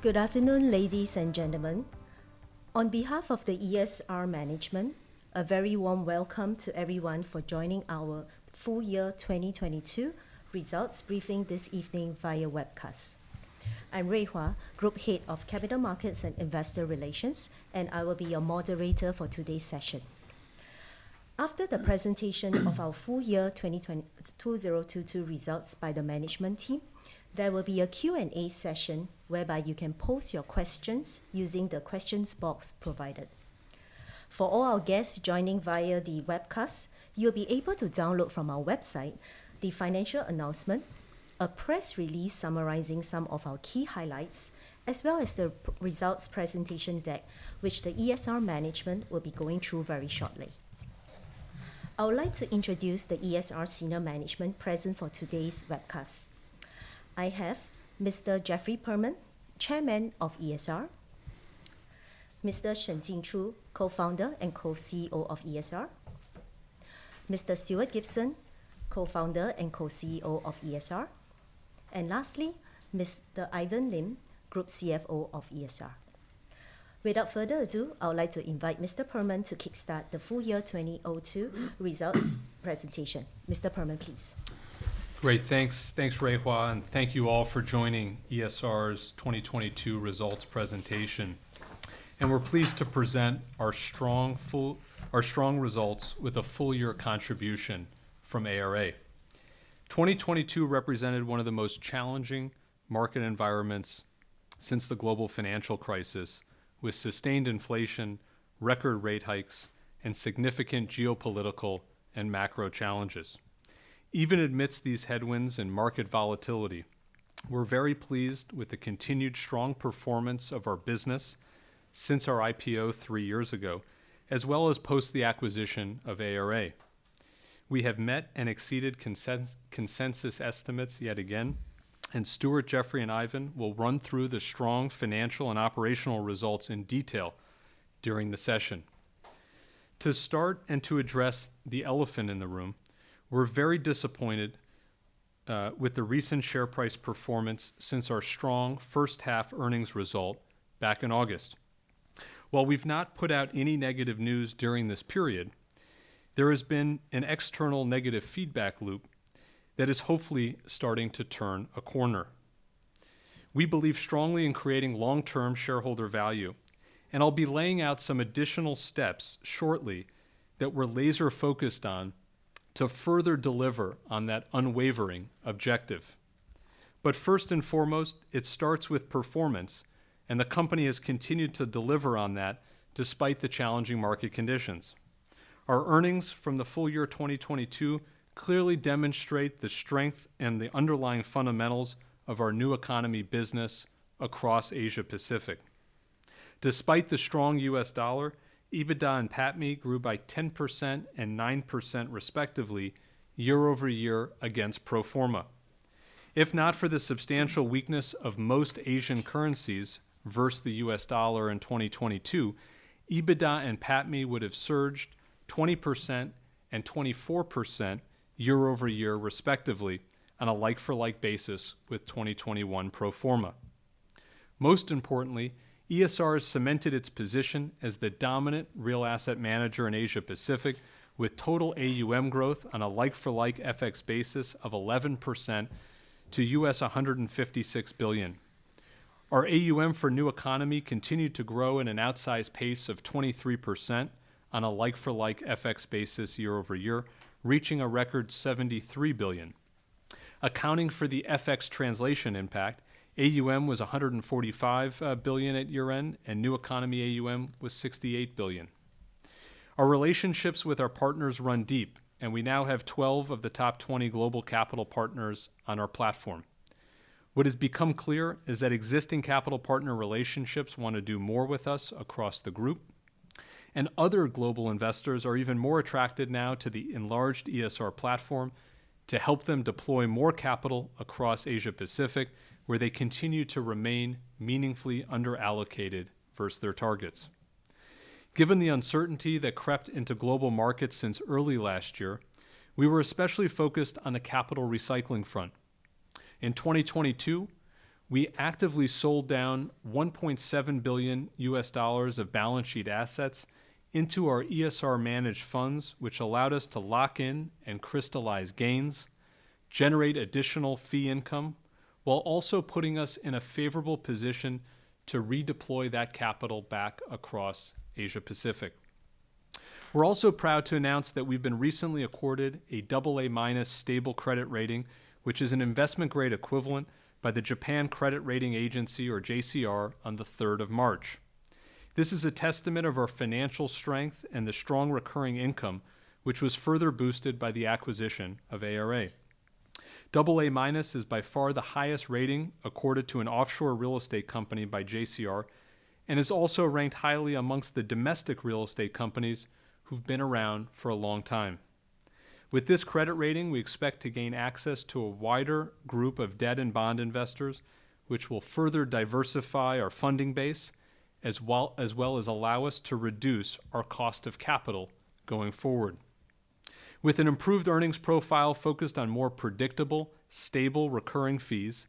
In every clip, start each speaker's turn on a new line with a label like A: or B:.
A: Good afternoon, ladies and gentlemen. On behalf of the ESR management, a very warm welcome to everyone for joining our full year 2022 results briefing this evening via webcast. I'm Rui Hua, Group Head of Capital Markets and Investor Relations, and I will be your moderator for today's session. After the presentation of our full year 2022 results by the management team, there will be a Q&A session whereby you can pose your questions using the questions box provided. For all our the guest joining via the webcast, you will be able to download from our website the financial announcement of press release summarizing some of our key highlights as well as the results presentation day, which the ESR management will be going through very shortly. I would like to introduce the ESR senior management present for today's webcast. I have Mr. Jeffrey Perlman, Chairman of ESR, Mr. Shen Jinchu, Co-founder and Co-CEO of ESR, Mr. Stuart Gibson, Co-founder and Co-CEO of ESR, and lastly, Mr. Ivan Lim, Group CFO of ESR. Without further ado, I would like to invite Mr. Perlman to kickstart the full year 2022 results presentation. Mr. Perlman, please.
B: Great, thanks. Thanks, Rui Hua, thank you all for joining ESR's 2022 results presentation. We're pleased to present our strong results with a full year contribution from ARA. 2022 represented one of the most challenging market environments since the global financial crisis, with sustained inflation, record rate hikes, and significant geopolitical and macro challenges. Even amidst these headwinds and market volatility, we're very pleased with the continued strong performance of our business since our IPO three years ago, as well as post the acquisition of ARA. We have met and exceeded consensus estimates yet again, Stuart, Jeffrey, and Ivan will run through the strong financial and operational results in detail during the session. To start and to address the elephant in the room, we're very disappointed with the recent share price performance since our strong first half earnings result back in August. While we've not put out any negative news during this period, there has been an external negative feedback loop that is hopefully starting to turn a corner. We believe strongly in creating long-term shareholder value, and I'll be laying out some additional steps shortly that we're laser focused on to further deliver on that unwavering objective. First and foremost, it starts with performance, and the company has continued to deliver on that despite the challenging market conditions. Our earnings from the full year 2022 clearly demonstrate the strength and the underlying fundamentals of our New Economy business across Asia Pacific. Despite the strong U.S. Dollar, EBITDA and PATMI grew by 10% and 9% respectively year-over-year against pro forma. If not for the substantial weakness of most Asian currencies versus the U.S. dollar in 2022, EBITDA and PATMI would have surged 20% and 24% year-over-year respectively on a like-for-like basis with 2021 pro forma. Most importantly, ESR has cemented its position as the dominant real asset manager in Asia Pacific with total AUM growth on a like-for-like FX basis of 11% to $156 billion. Our AUM for New Economy continued to grow in an outsized pace of 23% on a like-for-like FX basis year-over-year, reaching a record $73 billion. Accounting for the FX translation impact, AUM was $145 billion at year-end, and New Economy AUM was $68 billion. Our relationships with our partners run deep, and we now have 12 of the top 20 global capital partners on our platform. What has become clear is that existing capital partner relationships wanna do more with us across the group, and other global investors are even more attracted now to the enlarged ESR platform to help them deploy more capital across Asia Pacific, where they continue to remain meaningfully under-allocated versus their targets. Given the uncertainty that crept into global markets since early last year, we were especially focused on the capital recycling front. In 2022, we actively sold down $1.7 billion of balance sheet assets into our ESR managed funds, which allowed us to lock in and crystallize gains, generate additional fee income, while also putting us in a favorable position to redeploy that capital back across Asia Pacific. We're also proud to announce that we've been recently accorded an AA-/stable credit rating, which is an investment grade equivalent by the Japan Credit Rating Agency or JCR on the third of March. This is a testament of our financial strength and the strong recurring income, which was further boosted by the acquisition of ARA. AA- is by far the highest rating accorded to an offshore real estate company by JCR and is also ranked highly amongst the domestic real estate companies who've been around for a long time. With this credit rating, we expect to gain access to a wider group of debt and bond investors, which will further diversify our funding base as well as allow us to reduce our cost of capital going forward. With an improved earnings profile focused on more predictable, stable recurring fees,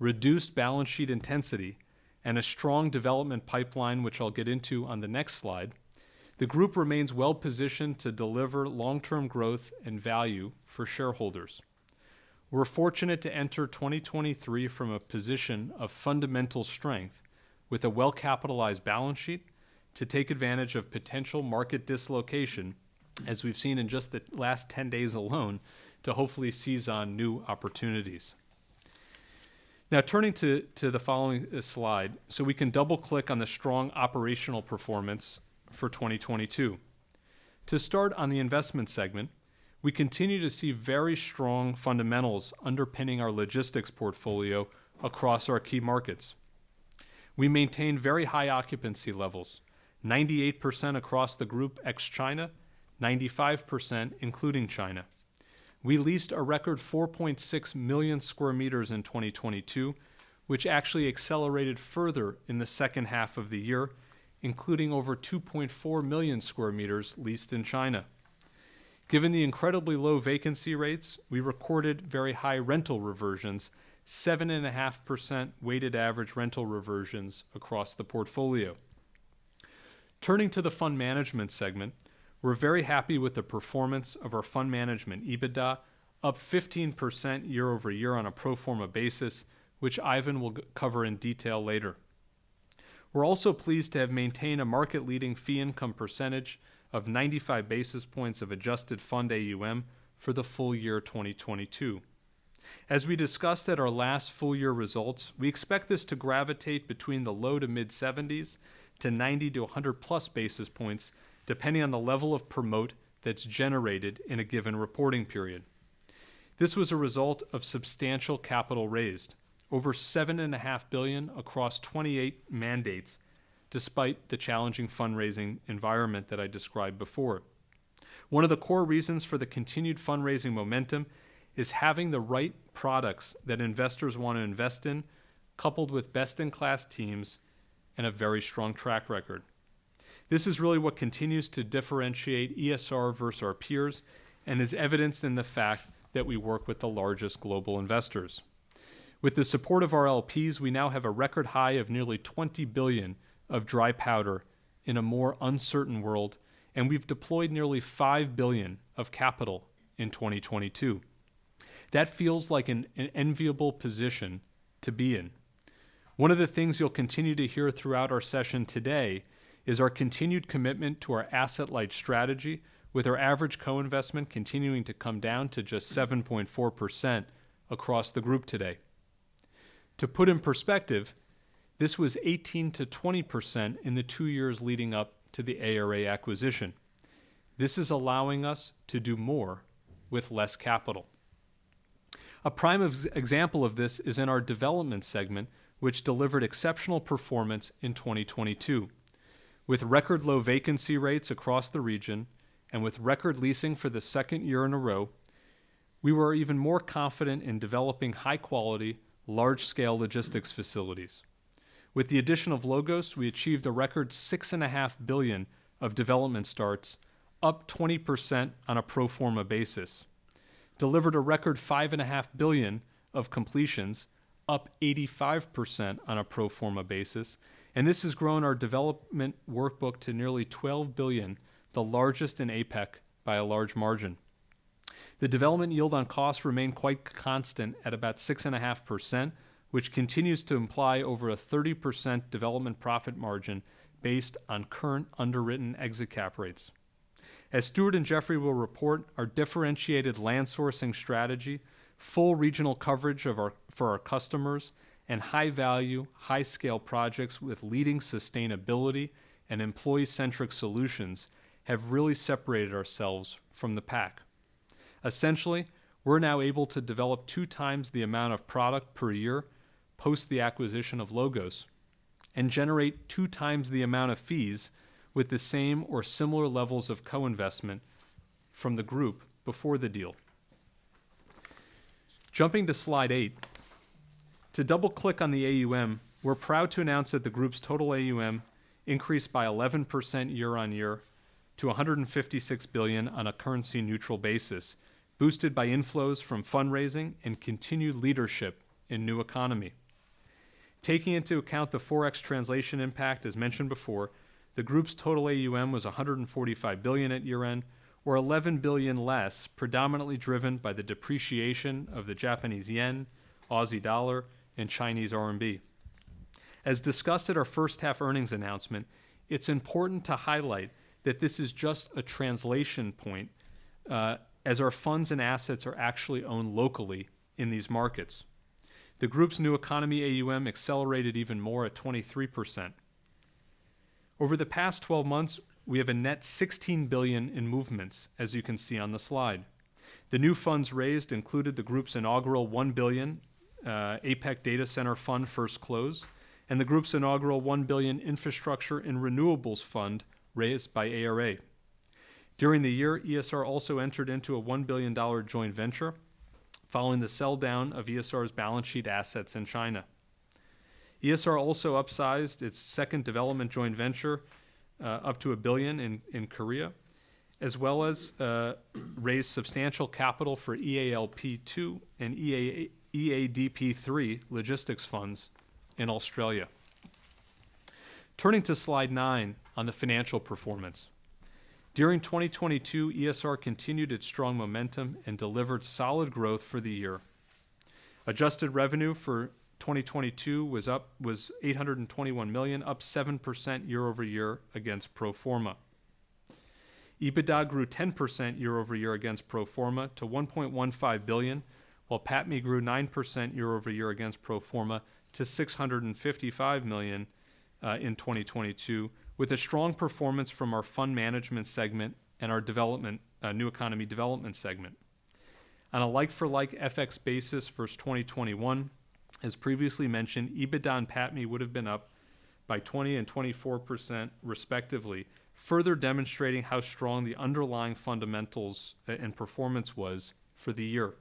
B: reduced balance sheet intensity, and a strong development pipeline, which I'll get into on the next slide, the group remains well-positioned to deliver long-term growth and value for shareholders. We're fortunate to enter 2023 from a position of fundamental strength with a well-capitalized balance sheet to take advantage of potential market dislocation, as we've seen in just the last 10 days alone, to hopefully seize on new opportunities. Now turning to the following slide, so we can double-click on the strong operational performance for 2022. To start on the investment segment, we continue to see very strong fundamentals underpinning our logistics portfolio across our key markets. We maintain very high occupancy levels, 98% across the group ex-China, 95% including China. We leased a record 4.6 million square meters in 2022, which actually accelerated further in the second half of the year, including over 2.4 million square meters leased in China. Given the incredibly low vacancy rates, we recorded very high rental reversions, 7.5% weighted average rental reversions across the portfolio. Turning to the fund management segment, we're very happy with the performance of our fund management EBITDA, up 15% year-over-year on a pro forma basis, which Ivan will cover in detail later. We're also pleased to have maintained a market-leading fee income percentage of 95 basis points of adjusted fund AUM for the full year 2022. As we discussed at our last full year results, we expect this to gravitate between the low to mid 70s to 90 to 100+ basis points, depending on the level of promote that's generated in a given reporting period. This was a result of substantial capital raised, over $7.5 billion across 28 mandates, despite the challenging fundraising environment that I described before. One of the core reasons for the continued fundraising momentum is having the right products that investors wanna invest in, coupled with best-in-class teams and a very strong track record. This is really what continues to differentiate ESR versus our peers, and is evidenced in the fact that we work with the largest global investors. With the support of our LPs, we now have a record high of nearly $20 billion of dry powder in a more uncertain world, and we've deployed nearly $5 billion of capital in 2022. That feels like an enviable position to be in. One of the things you'll continue to hear throughout our session today is our continued commitment to our asset-light strategy with our average co-investment continuing to come down to just 7.4% across the group today. To put in perspective, this was 18%-20% in the two years leading up to the ARA acquisition. This is allowing us to do more with less capital. A prime example of this is in our development segment, which delivered exceptional performance in 2022. With record low vacancy rates across the region, with record leasing for the second year in a row, we were even more confident in developing high quality, large scale logistics facilities. With the addition of LOGOS, we achieved a record $6.5 billion of development starts, up 20% on a pro forma basis. Delivered a record $5.5 billion of completions, up 85% on a pro forma basis, this has grown our development workbook to nearly $12 billion, the largest in APAC by a large margin. The development yield on costs remain quite constant at about 6.5%, which continues to imply over a 30% development profit margin based on current underwritten exit cap rates. As Stuart and Jeffrey will report, our differentiated land sourcing strategy, full regional coverage for our customers, and high value, high scale projects with leading sustainability and employee-centric solutions have really separated ourselves from the pack. Essentially, we're now able to develop two times the amount of product per year post the acquisition of LOGOS, and generate two times the amount of fees with the same or similar levels of co-investment from the group before the deal. Jumping to slide eight. To double-click on the AUM, we're proud to announce that the group's total AUM increased by 11% year-on-year to $156 billion on a currency neutral basis, boosted by inflows from fundraising and continued leadership in New Economy. Taking into account the Forex translation impact, as mentioned before, the group's total AUM was $145 billion at year-end or $11 billion less, predominantly driven by the depreciation of the Japanese yen, Aussie dollar, and Chinese RMB. As discussed at our first half earnings announcement, it's important to highlight that this is just a translation point, as our funds and assets are actually owned locally in these markets. The group's New Economy AUM accelerated even more at 23%. Over the past 12 months, we have a net $16 billion in movements, as you can see on the slide. The new funds raised included the group's inaugural $1 billion APAC Data Center Fund 1 close, and the group's inaugural $1 billion infrastructure and renewables fund raised by ARA. During the year, ESR also entered into a $1 billion joint venture following the sell-down of ESR's balance sheet assets in China. ESR also upsized its second development joint venture up to $1 billion in Korea, as well as raised substantial capital for EALP II and EADP III logistics funds in Australia. Turning to slide nine on the financial performance. During 2022, ESR continued its strong momentum and delivered solid growth for the year. Adjusted revenue for 2022 was $821 million, up 7% year-over-year against pro forma. EBITDA grew 10% year-over-year against pro forma to $1.15 billion, while PATMI grew 9% year-over-year against pro forma to $655 million in 2022, with a strong performance from our fund management segment and our development, New Economy development segment. On a like-for-like FX basis versus 2021, as previously mentioned, EBITDA and PATMI would have been up by 20% and 24% respectively, further demonstrating how strong the underlying fundamentals and performance was for the year.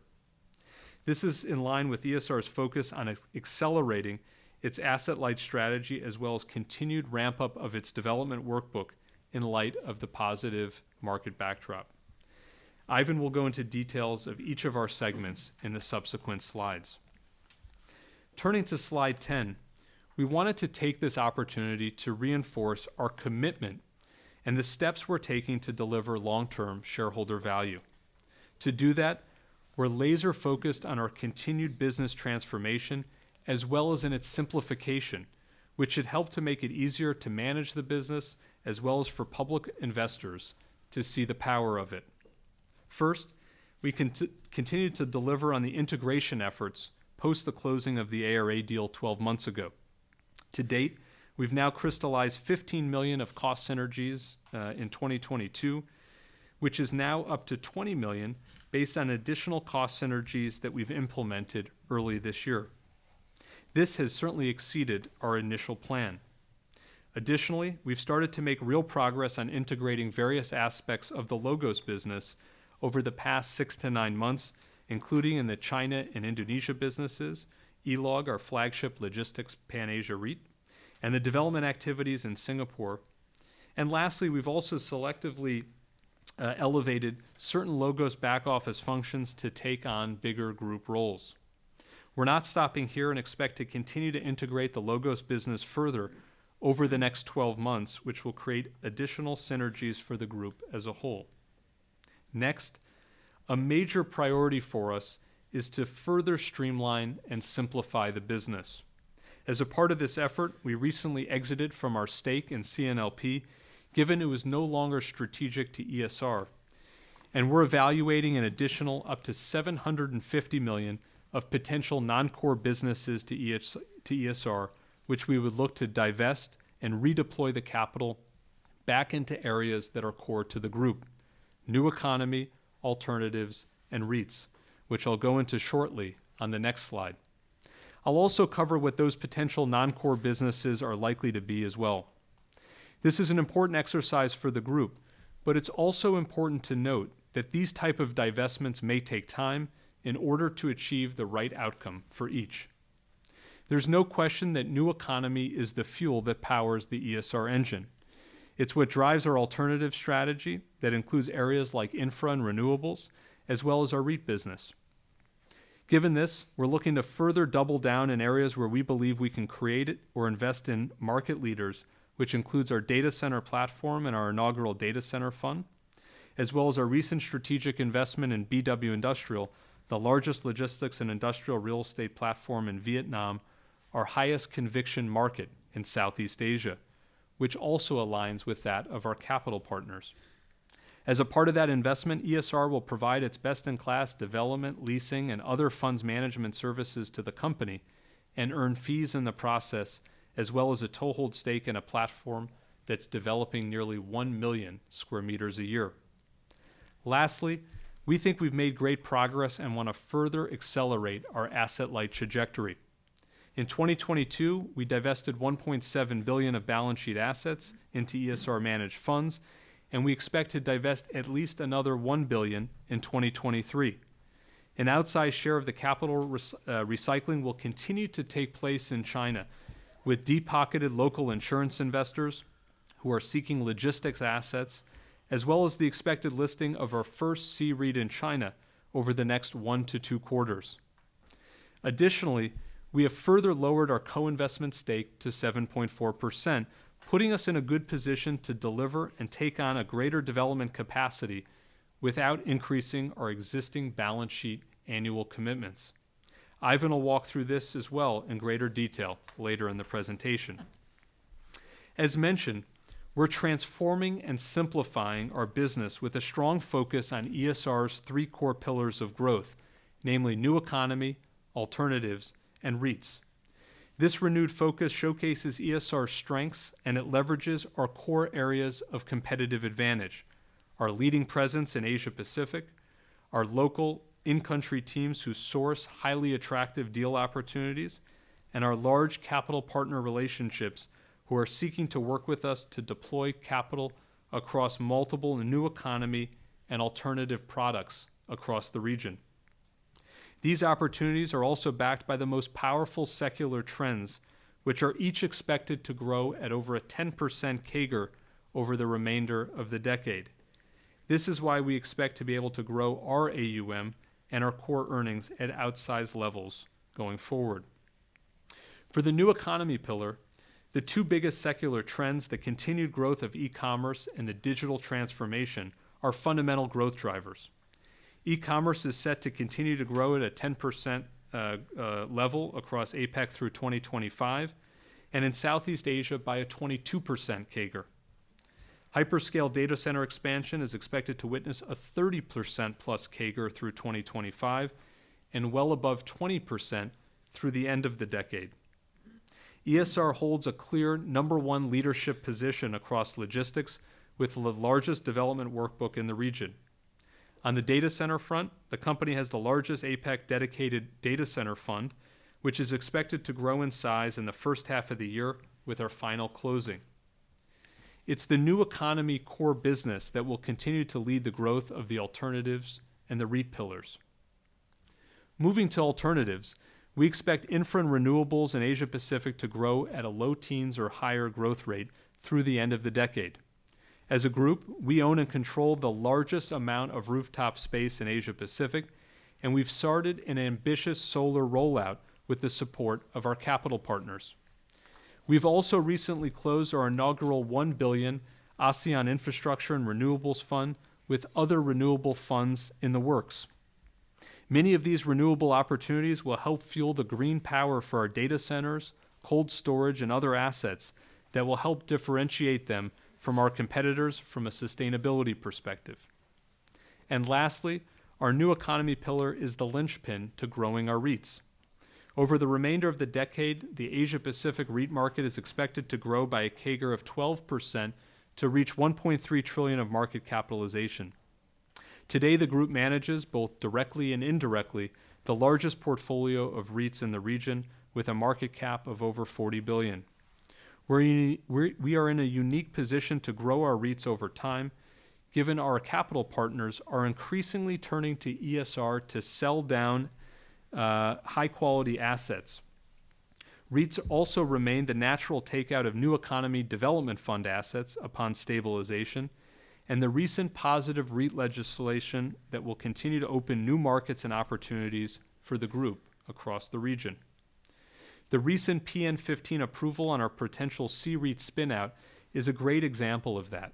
B: This is in line with ESR's focus on accelerating its asset-light strategy as well as continued ramp-up of its development workbook in light of the positive market backdrop. Ivan will go into details of each of our segments in the subsequent slides. Turning to slide 10, we wanted to take this opportunity to reinforce our commitment and the steps we're taking to deliver long-term shareholder value. To do that, we're laser-focused on our continued business transformation as well as in its simplification, which should help to make it easier to manage the business as well as for public investors to see the power of it. First, we continue to deliver on the integration efforts post the closing of the ARA deal 12 months ago. To date, we've now crystallized $15 million of cost synergies in 2022, which is now up to $20 million based on additional cost synergies that we've implemented early this year. This has certainly exceeded our initial plan. Additionally, we've started to make real progress on integrating various aspects of the LOGOS business over the past six to nine months, including in the China and Indonesia businesses, E-LOG, our flagship logistics Pan Asia REIT, and the development activities in Singapore. Lastly, we've also selectively elevated certain LOGOS back office functions to take on bigger group roles. We're not stopping here and expect to continue to integrate the LOGOS business further over the next 12 months, which will create additional synergies for the group as a whole. A major priority for us is to further streamline and simplify the business. As a part of this effort, we recently exited from our stake in CNLP, given it was no longer strategic to ESR. We're evaluating an additional up to $750 million of potential non-core businesses to ESR, which we would look to divest and redeploy the capital back into areas that are core to the group, New Economy, alternatives, and REITs, which I'll go into shortly on the next slide. I'll also cover what those potential non-core businesses are likely to be as well. This is an important exercise for the group, but it's also important to note that these type of divestments may take time in order to achieve the right outcome for each. There's no question that New Economy is the fuel that powers the ESR engine. It's what drives our alternative strategy that includes areas like infra and renewables, as well as our REIT business. Given this, we're looking to further double down in areas where we believe we can create or invest in market leaders, which includes our data center platform and our inaugural Data Center Fund, as well as our recent strategic investment in BW Industrial, the largest logistics and industrial real estate platform in Vietnam, our highest conviction market in Southeast Asia, which also aligns with that of our capital partners. As a part of that investment, ESR will provide its best-in-class development, leasing, and other funds management services to the company and earn fees in the process, as well as a toehold stake in a platform that's developing nearly one million square meters a year. Lastly, we think we've made great progress and want to further accelerate our asset-light trajectory. In 2022, we divested $1.7 billion of balance sheet assets into ESR-managed funds, and we expect to divest at least another $1 billion in 2023. An outsized share of the capital recycling will continue to take place in China with deep-pocketed local insurance investors who are seeking logistics assets, as well as the expected listing of our first C-REIT in China over the next one to two quarters. Additionally, we have further lowered our co-investment stake to 7.4%, putting us in a good position to deliver and take on a greater development capacity without increasing our existing balance sheet annual commitments. Ivan will walk through this as well in greater detail later in the presentation. As mentioned, we're transforming and simplifying our business with a strong focus on ESR's three core pillars of growth, namely New Economy, alternatives, and REITs. This renewed focus showcases ESR's strengths, and it leverages our core areas of competitive advantage, our leading presence in Asia Pacific, our local in-country teams who source highly attractive deal opportunities, and our large capital partner relationships who are seeking to work with us to deploy capital across multiple New Economy and alternative products across the region. These opportunities are also backed by the most powerful secular trends, which are each expected to grow at over a 10% CAGR over the remainder of the decade. This is why we expect to be able to grow our AUM and our core earnings at outsized levels going forward. For the New Economy pillar, the two biggest secular trends, the continued growth of e-commerce and the digital transformation, are fundamental growth drivers. E-commerce is set to continue to grow at a 10% level across APAC through 2025, and in Southeast Asia by a 22% CAGR. Hyperscale data center expansion is expected to witness a 30%+ CAGR through 2025, and well above 20% through the end of the decade. ESR holds a clear number one leadership position across logistics with the largest development workbook in the region. On the data center front, the company has the largest APAC dedicated Data Center Fund, which is expected to grow in size in the first half of the year with our final closing. It's the New Economy core business that will continue to lead the growth of the alternatives and the REIT pillars. Moving to alternatives, we expect infra and renewables in Asia-Pacific to grow at a low teens or higher growth rate through the end of the decade. As a group, we own and control the largest amount of rooftop space in Asia-Pacific, and we've started an ambitious solar rollout with the support of our capital partners. We've also recently closed our inaugural $1 billion ASEAN Infrastructure and Renewables Fund with other renewable funds in the works. Many of these renewable opportunities will help fuel the green power for our data centers, cold storage, and other assets that will help differentiate them from our competitors from a sustainability perspective. Lastly, our New Economy pillar is the linchpin to growing our REITs. Over the remainder of the decade, the Asia-Pacific REIT market is expected to grow by a CAGR of 12% to reach $1.3 trillion of market capitalization. Today, the group manages, both directly and indirectly, the largest portfolio of REITs in the region with a market cap of over $40 billion. We are in a unique position to grow our REITs over time, given our capital partners are increasingly turning to ESR to sell down high-quality assets. REITs also remain the natural takeout of New Economy development fund assets upon stabilization and the recent positive REIT legislation that will continue to open new markets and opportunities for the group across the region. The recent PN15 approval on our potential C-REIT spin-out is a great example of that.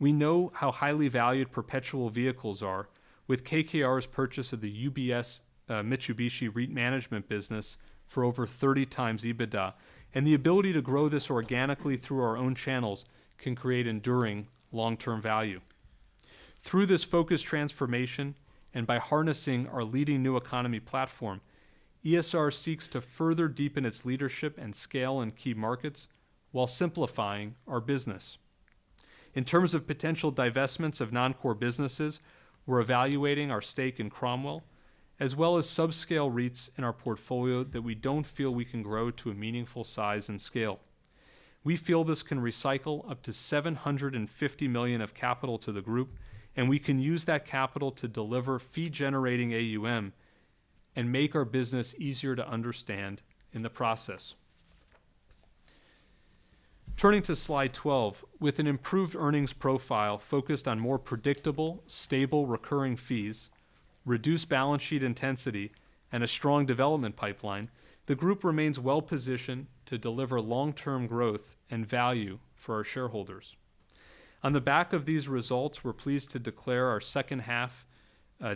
B: We know how highly valued perpetual vehicles are with KKR's purchase of the UBS, Mitsubishi, REIT Management business for over 30 times EBITDA, and the ability to grow this organically through our own channels can create enduring long-term value. Through this focused transformation, by harnessing our leading New Economy platform, ESR seeks to further deepen its leadership and scale in key markets while simplifying our business. In terms of potential divestments of non-core businesses, we're evaluating our stake in Cromwell as well as subscale REITs in our portfolio that we don't feel we can grow to a meaningful size and scale. We feel this can recycle up to $750 million of capital to the group, and we can use that capital to deliver fee-generating AUM and make our business easier to understand in the process. Turning to slide 12, with an improved earnings profile focused on more predictable, stable recurring fees, reduced balance sheet intensity, and a strong development pipeline, the group remains well-positioned to deliver long-term growth and value for our shareholders. On the back of these results, we're pleased to declare our second half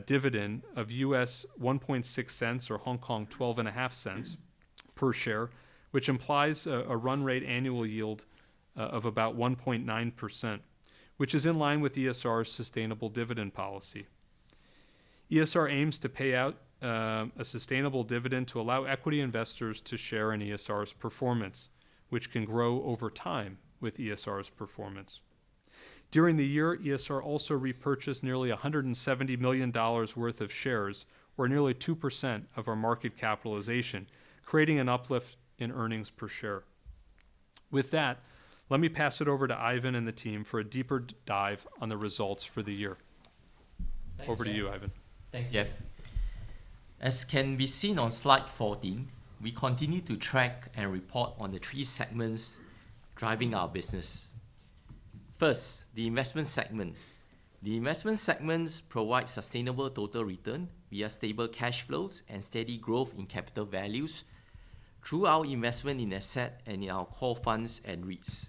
B: dividend of $0.016 or 0.125 per share, which implies a run rate annual yield of about 1.9%, which is in line with ESR's sustainable dividend policy. ESR aims to pay out a sustainable dividend to allow equity investors to share in ESR's performance, which can grow over time with ESR's performance. During the year, ESR also repurchased nearly $170 million worth of shares or nearly 2% of our market capitalization, creating an uplift in earnings per share. Let me pass it over to Ivan and the team for a deeper dive on the results for the year. Over to you, Ivan.
C: Thanks, Jeff. As can be seen on slide 14, we continue to track and report on the three segments driving our business. First, the investment segment. The investment segments provide sustainable total return via stable cash flows and steady growth in capital values through our investment in asset and in our core funds and REITs.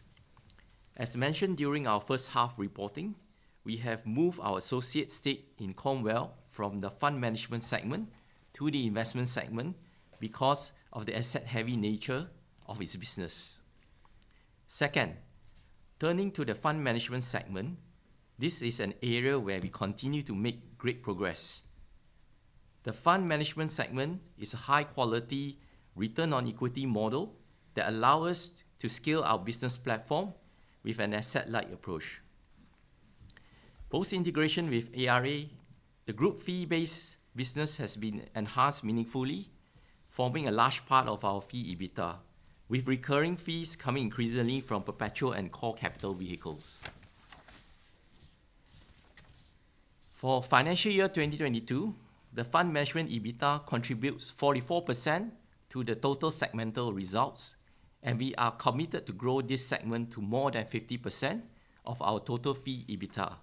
C: As mentioned during our first half reporting, we have moved our associate stake in Cromwell from the fund management segment to the investment segment because of the asset-heavy nature of its business. Second, turning to the fund management segment, this is an area where we continue to make great progress. The fund management segment is a high-quality return on equity model that allow us to scale our business platform with an asset-light approach. Post-integration with ARA, the group fee-based business has been enhanced meaningfully, forming a large part of our fee EBITDA, with recurring fees coming increasingly from perpetual and core capital vehicles. For financial year 2022, the fund management EBITDA contributes 44% to the total segmental results, and we are committed to grow this segment to more than 50% of our total fee EBITDA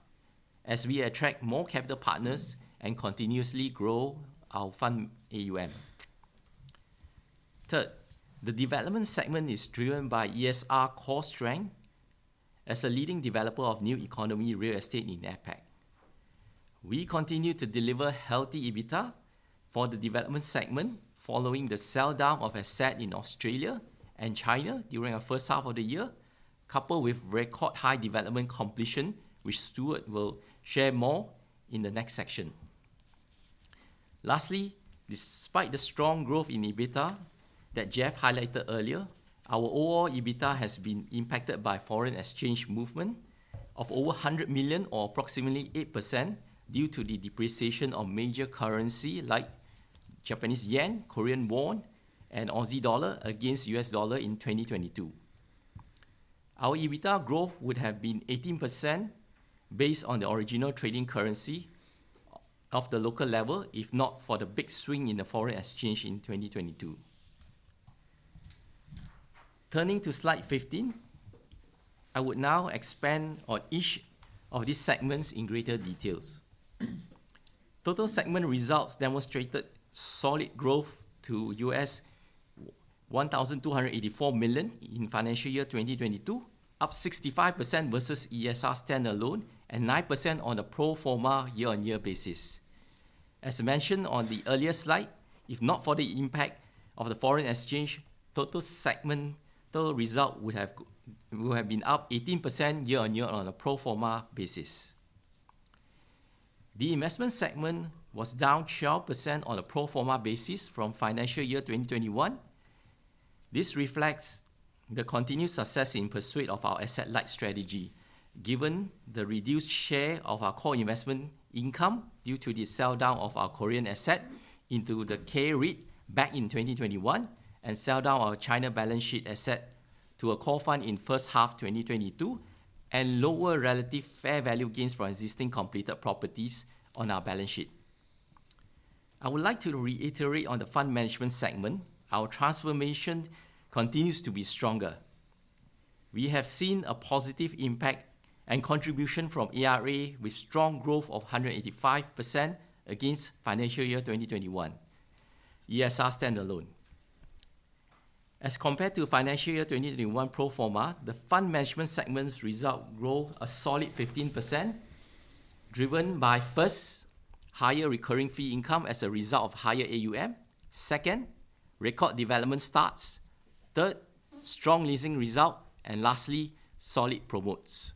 C: as we attract more capital partners and continuously grow our fund AUM. Third, the development segment is driven by ESR core strength as a leading developer of New Economy real estate in APAC. We continue to deliver healthy EBITDA for the development segment following the sell-down of asset in Australia and China during our first half of the year, coupled with record high development completion, which Stuart will share more in the next section. Despite the strong growth in EBITDA that Jeff highlighted earlier, our overall EBITDA has been impacted by foreign exchange movement of over $100 million or approximately 8% due to the depreciation of major currency like Japanese yen, Korean won, and Aussie dollar against U.S. dollar in 2022. Our EBITDA growth would have been 18% based on the original trading currency of the local level, if not for the big swing in the foreign exchange in 2022. I would now expand on each of these segments in greater details. Total segment results demonstrated solid growth to $1,284 million in financial year 2022, up 65% versus ESR standalone and 9% on a pro forma year-on-year basis. As mentioned on the earlier slide, if not for the impact of the foreign exchange, total segment total result would have been up 18% year-on-year on a pro forma basis. The investment segment was down 12% on a pro forma basis from financial year 2021. This reflects the continued success in pursuit of our asset-light strategy, given the reduced share of our core investment income due to the sell-down of our Korean asset into the K-REIT back in 2021, and sell-down our China balance sheet asset to a core fund in first half 2022, and lower relative fair value gains from existing completed properties on our balance sheet. I would like to reiterate on the fund management segment, our transformation continues to be stronger. We have seen a positive impact and contribution from ARA with strong growth of 185% against financial year 2021, ESR standalone. As compared to financial year 2021 pro forma, the fund management segment's result grow a solid 15%, driven by first, higher recurring fee income as a result of higher AUM. Second, record development starts. Third, strong leasing result. Lastly, solid promotes.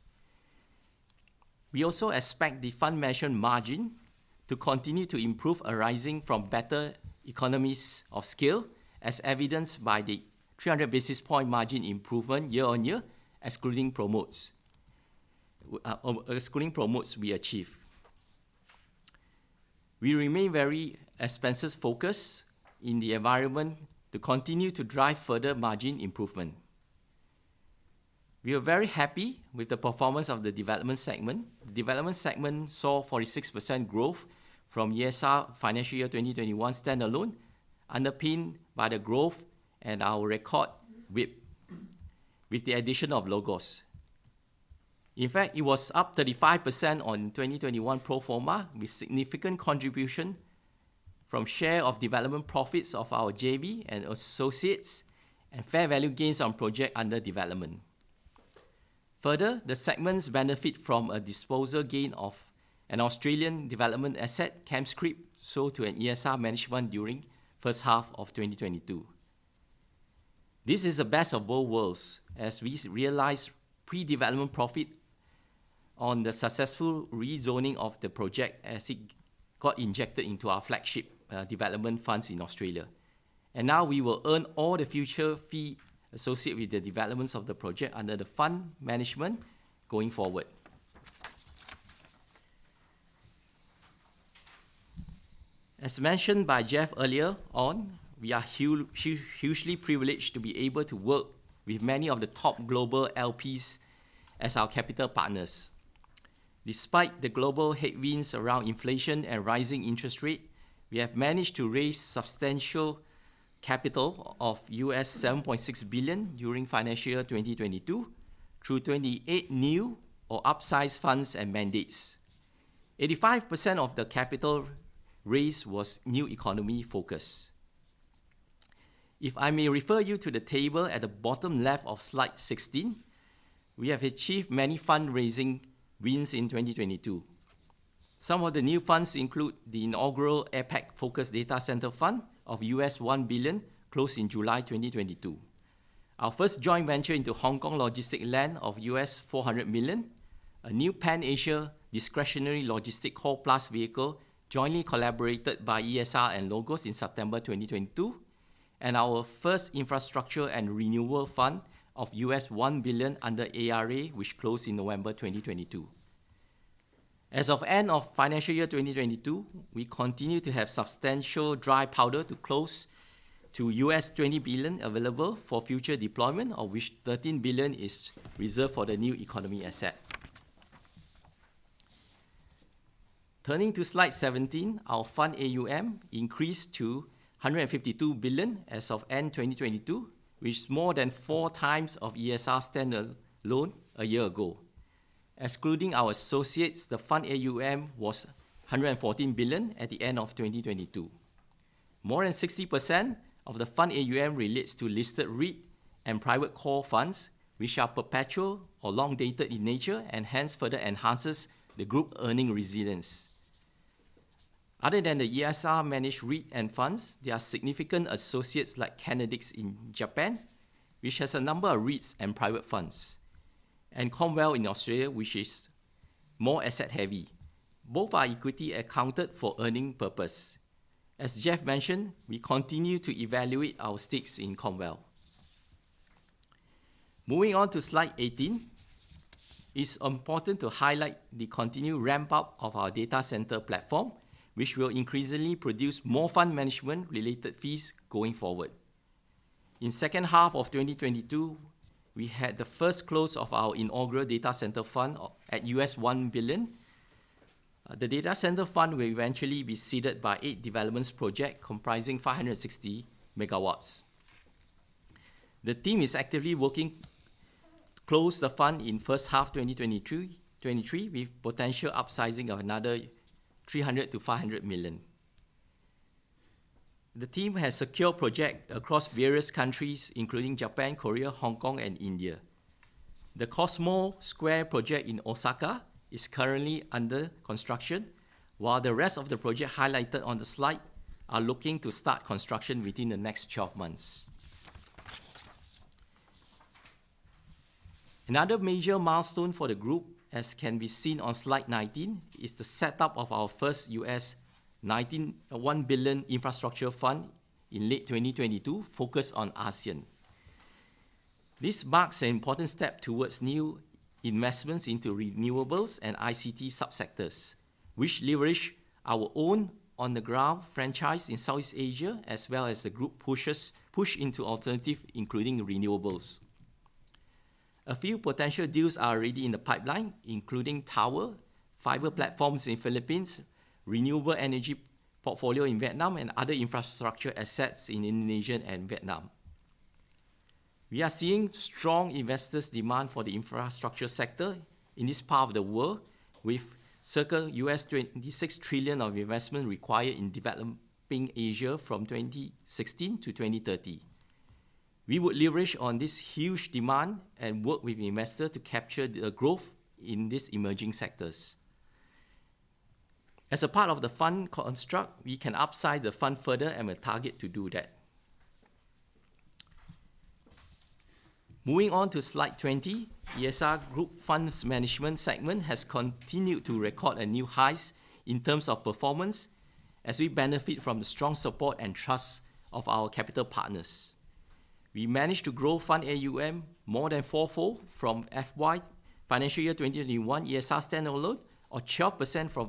C: We also expect the fund management margin to continue to improve arising from better economies of scale, as evidenced by the 300 basis point margin improvement year-on-year excluding promotes. Excluding promotes we achieve. We remain very expenses-focused in the environment to continue to drive further margin improvement. We are very happy with the performance of the development segment. Development segment saw 46% growth from ESR financial year 2021 standalone, underpinned by the growth and our record with the addition of LOGOS. In fact, it was up 35% on 2021 pro forma with significant contribution from share of development profits of our JV and associates and fair value gains on project under development. Further, the segments benefit from a disposal gain of an Australian development asset, Campsie, sold to an ESR management during first half of 2022. This is the best of both worlds as we realized pre-development profit on the successful rezoning of the project as it got injected into our flagship development funds in Australia. Now we will earn all the future fee associated with the developments of the project under the fund management going forward. As mentioned by Jeff earlier on, we are hugely privileged to be able to work with many of the top global LPs as our capital partners. Despite the global headwinds around inflation and rising interest rate, we have managed to raise substantial capital of $7.6 billion during financial year 2022 through 28 new or upsized funds and mandates. 85% of the capital raised was New Economy focused. If I may refer you to the table at the bottom left of slide 16, we have achieved many fundraising wins in 2022. Some of the new funds include the inaugural APAC-Focused Data Center Fund of $1 billion, closed in July 2022. Our first joint venture into Hong Kong logistic land of $400 million, a new Pan-Asia discretionary logistics core plus vehicle jointly collaborated by ESR and LOGOS in September 2022, and our first infrastructure and renewal fund of $1 billion under ARA, which closed in November 2022. As of end of financial year 2022, we continue to have substantial dry powder close to $20 billion available for future deployment, of which $13 billion is reserved for the New Economy asset. Turning to slide 17, our fund AUM increased to $152 billion as of end 2022, which is more than four times of ESR standard loan a year ago. Excluding our associates, the fund AUM was $114 billion at the end of 2022. More than 60% of the fund AUM relates to listed REIT and private core funds, which are perpetual or long-dated in nature. Hence, further enhances the group earning resilience. Other than the ESR managed REIT and funds, there are significant associates like Kenedix in Japan, which has a number of REITs and private funds. Cromwell in Australia, which is more asset heavy. Both are equity accounted for earning purpose. As Jeff mentioned, we continue to evaluate our stakes in Cromwell. Moving on to slide 18, it's important to highlight the continued ramp up of our data center platform, which will increasingly produce more fund management related fees going forward. In second half of 2022, we had the first close of our inaugural Data Center Fund at $1 billion. The Data Center Fund will eventually be seeded by 8 developments project comprising 560 MW. The team is actively working to close the fund in first half 2023, with potential upsizing of another $300 million-$500 million. The team has secured project across various countries, including Japan, Korea, Hong Kong, and India. The Cosmo Square project in Osaka is currently under construction, while the rest of the project highlighted on the slide are looking to start construction within the next 12 months. Another major milestone for the group, as can be seen on slide 19, is the setup of our first U.S. $1 billion infrastructure fund in late 2022, focused on ASEAN. This marks an important step towards new investments into renewables and ICT subsectors, which leverage our own on-the-ground franchise in Southeast Asia, as well as the group push into alternative, including renewables. A few potential deals are already in the pipeline, including tower, fiber platforms in Philippines, renewable energy portfolio in Vietnam, and other infrastructure assets in Indonesia and Vietnam. We are seeing strong investors demand for the infrastructure sector in this part of the world, with circa $26 trillion of investment required in developing Asia from 2016-2030. We would leverage on this huge demand and work with investor to capture the growth in these emerging sectors. As a part of the fund construct, we can upside the fund further and we target to do that. Moving on to slide 20, ESR Group Funds Management segment has continued to record a new highs in terms of performance as we benefit from the strong support and trust of our capital partners. We managed to grow fund AUM more than four-fold from financial year 2021 ESR stand-alone or 12% from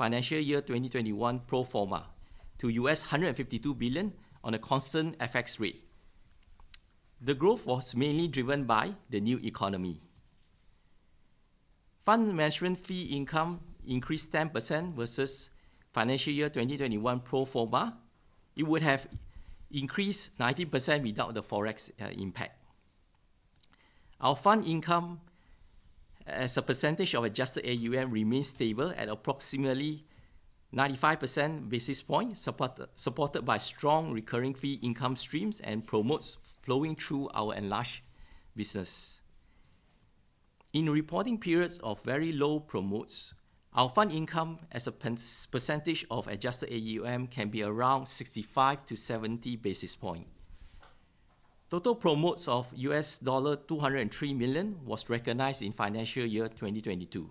C: our financial year 2021 pro forma to $152 billion on a constant FX rate. The growth was mainly driven by the New Economy. Fund management fee income increased 10% versus financial year 2021 pro forma. It would have increased 90% without the Forex impact. Our fund income as a percentage of adjusted AUM remains stable at approximately 95 basis points, supported by strong recurring fee income streams and promotes flowing through our enlarged business. In reporting periods of very low promotes, our fund income as a percentage of adjusted AUM can be around 65 to 70 basis points. Total promotes of $203 million was recognized in financial year 2022,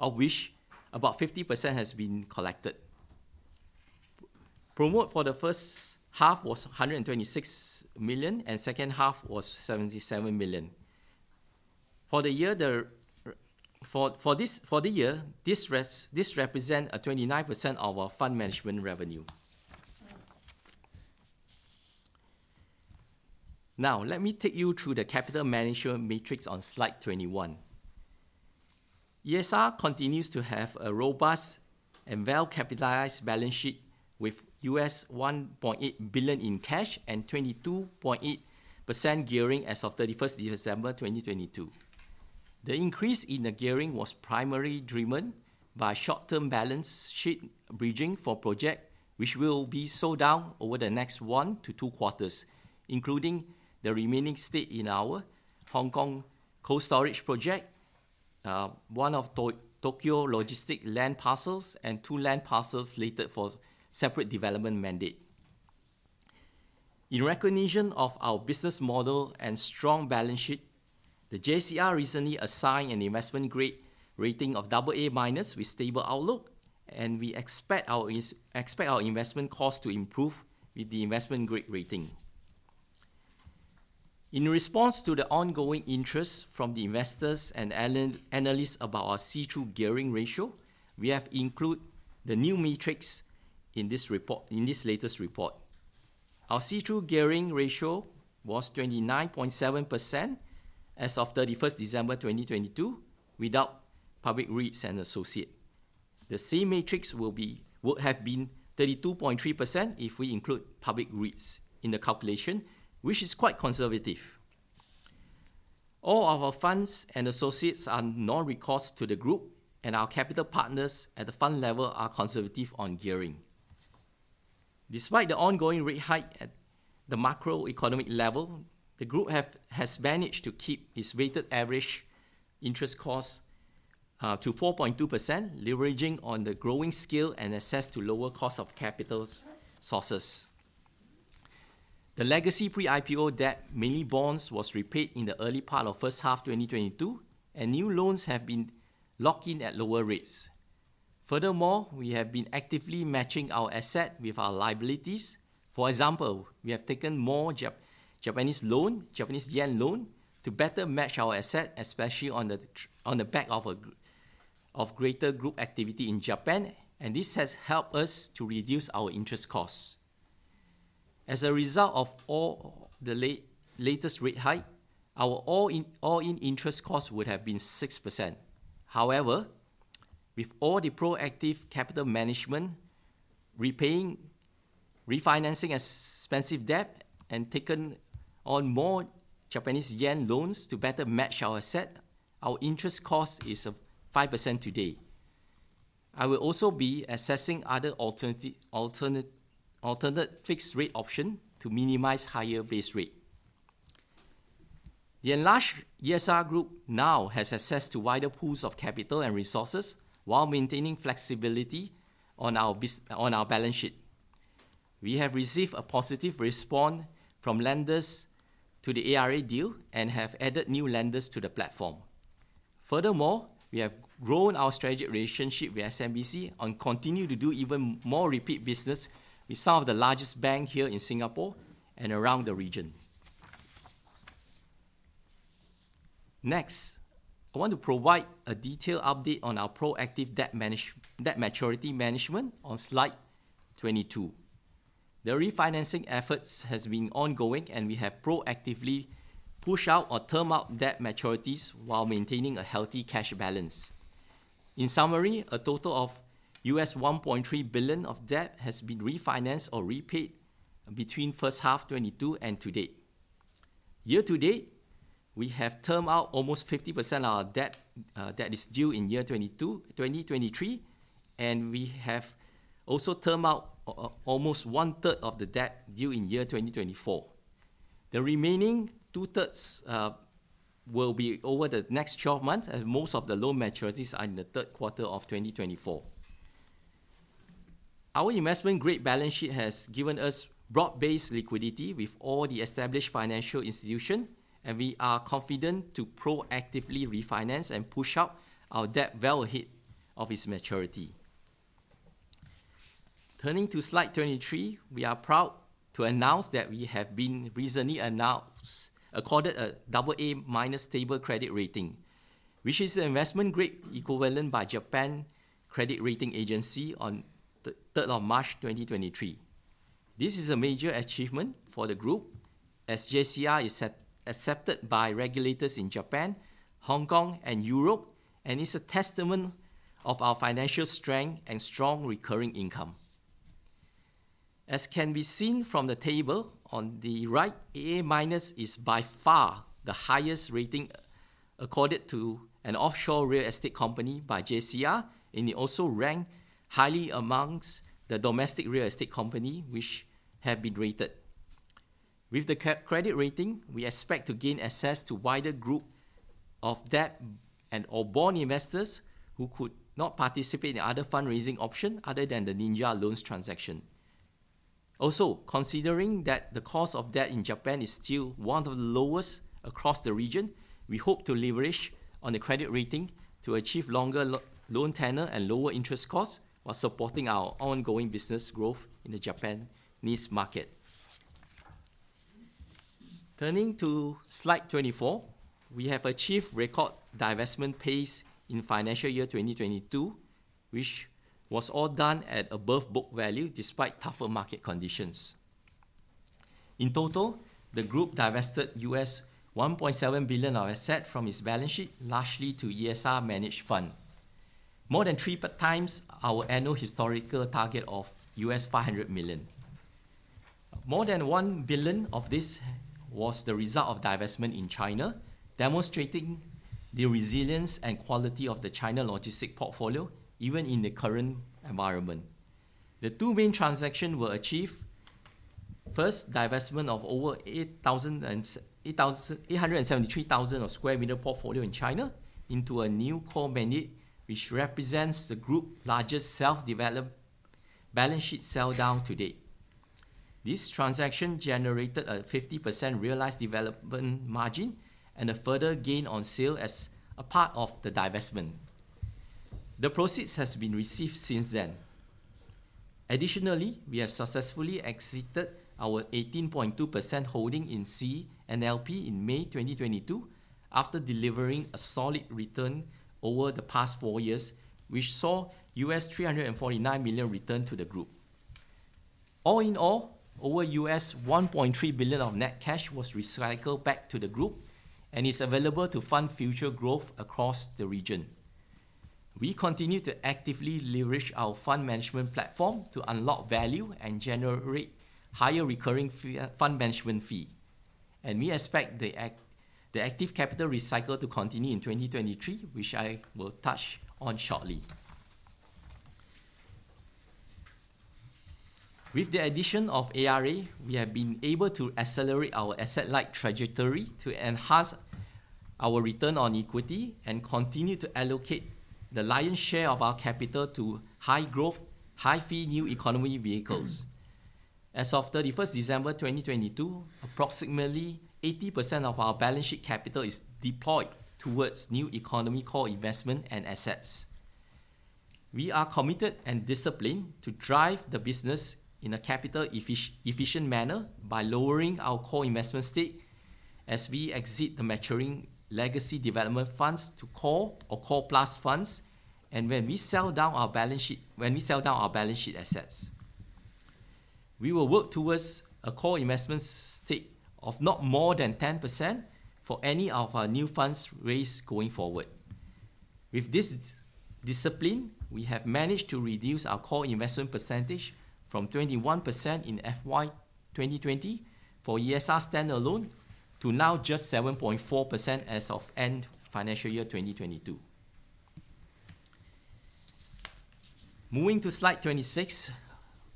C: of which about 50% has been collected. Promote for the first half was $126 million, second half was $77 million. For the year, this represent a 29% of our fund management revenue. Now, let me take you through the capital management matrix on slide 21. ESR continues to have a robust and well-capitalized balance sheet with $1.8 billion in cash and 22.8% gearing as of 31st December 2022. The increase in the gearing was primarily driven by short-term balance sheet bridging for project which will be sold down over the next one to two quarters, including the remining stake in our Kwai Chung Cold Storage project, one of Tokyo logistic land parcels, and two land parcels slated for separate development mandate. In recognition of our business model and strong balance sheet, the JCR recently assigned an investment grade rating of AA- with stable outlook. We expect our investment cost to improve with the investment grade rating. In response to the ongoing interest from the investors and analysts about our see-through gearing ratio, we have include the new metrics in this latest report. Our see-through gearing ratio was 29.7% as of 31st December 2022 without public REITs and associate. The same metrics would have been 32.3% if we include public REITs in the calculation, which is quite conservative. All our funds and associates are non-recourse to the group. Our capital partners at the fund level are conservative on gearing. Despite the ongoing rate hike at the macroeconomic level, the group has managed to keep its weighted average interest cost to 4.2%, leveraging on the growing scale and access to lower cost of capitals sources. The legacy pre-IPO debt, mainly bonds, was repaid in the early part of first half 2022, and new loans have been locked in at lower rates. Furthermore, we have been actively matching our asset with our liabilities. For example, we have taken more Japanese loan, Japanese yen loan to better match our asset, especially on the back of greater group activity in Japan. This has helped us to reduce our interest costs. As a result of all the latest rate hike, our all in interest cost would have been 6%. However, with all the proactive capital management, repaying, refinancing expensive debt, and taken on more Japanese yen loans to better match our asset, our interest cost is 5% today. I will also be assessing other alternative fixed rate option to minimize higher base rate. The enlarged ESR Group now has access to wider pools of capital and resources while maintaining flexibility on our balance sheet. We have received a positive response from lenders to the ARA deal and have added new lenders to the platform. Furthermore, we have grown our strategic relationship with SMBC and continue to do even more repeat business with some of the largest bank here in Singapore and around the region. Next, I want to provide a detailed update on our proactive debt maturity management on slide 22. The refinancing efforts has been ongoing, and we have proactively pushed out or term out debt maturities while maintaining a healthy cash balance. In summary, a total of $1.3 billion of debt has been refinanced or repaid between first half 2022 and to date. Year to date, we have term out almost 50% of our debt that is due in year 2023, and we have also term out almost one-third of the debt due in year 2024. The remaining 2/3 will be over the next 12 months, and most of the loan maturities are in the third quarter of 2024. Our investment-grade balance sheet has given us broad-based liquidity with all the established financial institution, and we are confident to proactively refinance and push out our debt well ahead of its maturity. Turning to slide 23, we are proud to announce that we have been recently announced, accorded a AA- stable credit rating, which is an investment grade equivalent by Japan Credit Rating Agency on the third of March 2023. This is a major achievement for the group as JCR is accepted by regulators in Japan, Hong Kong, and Europe, is a testament of our financial strength and strong recurring income. As can be seen from the table on the right, AA- is by far the highest rating accorded to an offshore real estate company by JCR, it also rank highly amongst the domestic real estate company which have been rated. With the credit rating, we expect to gain access to wider group of debt and, or bond investors who could not participate in other fundraising option other than the ninja loans transaction. Considering that the cost of debt in Japan is still one of the lowest across the region, we hope to leverage on the credit rating to achieve longer loan tenor and lower interest costs while supporting our ongoing business growth in the Japan niche market. Turning to slide 24, we have achieved record divestment pace in financial year 2022, which was all done at above book value despite tougher market conditions. In total, the group divested $1.7 billion of asset from its balance sheet, largely to ESR managed fund, more than three times our annual historical target of $500 million. More than $1 billion of this was the result of divestment in China, demonstrating the resilience and quality of the China logistic portfolio, even in the current environment. The two main transaction were achieved. Divestment of over 873,000 square meter portfolio in China into a new core mandate, which represents the group largest self-developed balance sheet sell down to date. This transaction generated a 50% realized development margin and a further gain on sale as a part of the divestment. The proceeds has been received since then. We have successfully exited our 18.2% holding in CNLP in May 2022 after delivering a solid return over the past four years, which saw $349 million return to the group. Over $1.3 billion of net cash was recycled back to the group and is available to fund future growth across the region. We continue to actively leverage our fund management platform to unlock value and generate higher recurring fee, fund management fee. We expect the active capital recycle to continue in 2023, which I will touch on shortly. With the addition of ARA, we have been able to accelerate our asset-light trajectory to enhance our return on equity and continue to allocate the lion's share of our capital to high growth, high fee New Economy vehicles. As of 31st December 2022, approximately 80% of our balance sheet capital is deployed towards New Economy core investment and assets. We are committed and disciplined to drive the business in a capital efficient manner by lowering our core investment stake as we exit the maturing legacy development funds to core or core plus funds, and when we sell down our balance sheet assets. We will work towards a core investment stake of not more than 10% for any of our new funds raised going forward. With this discipline, we have managed to reduce our core investment percentage from 21% in FY 2020 for ESR standalone to now just 7.4% as of end financial year 2022. Moving to slide 26.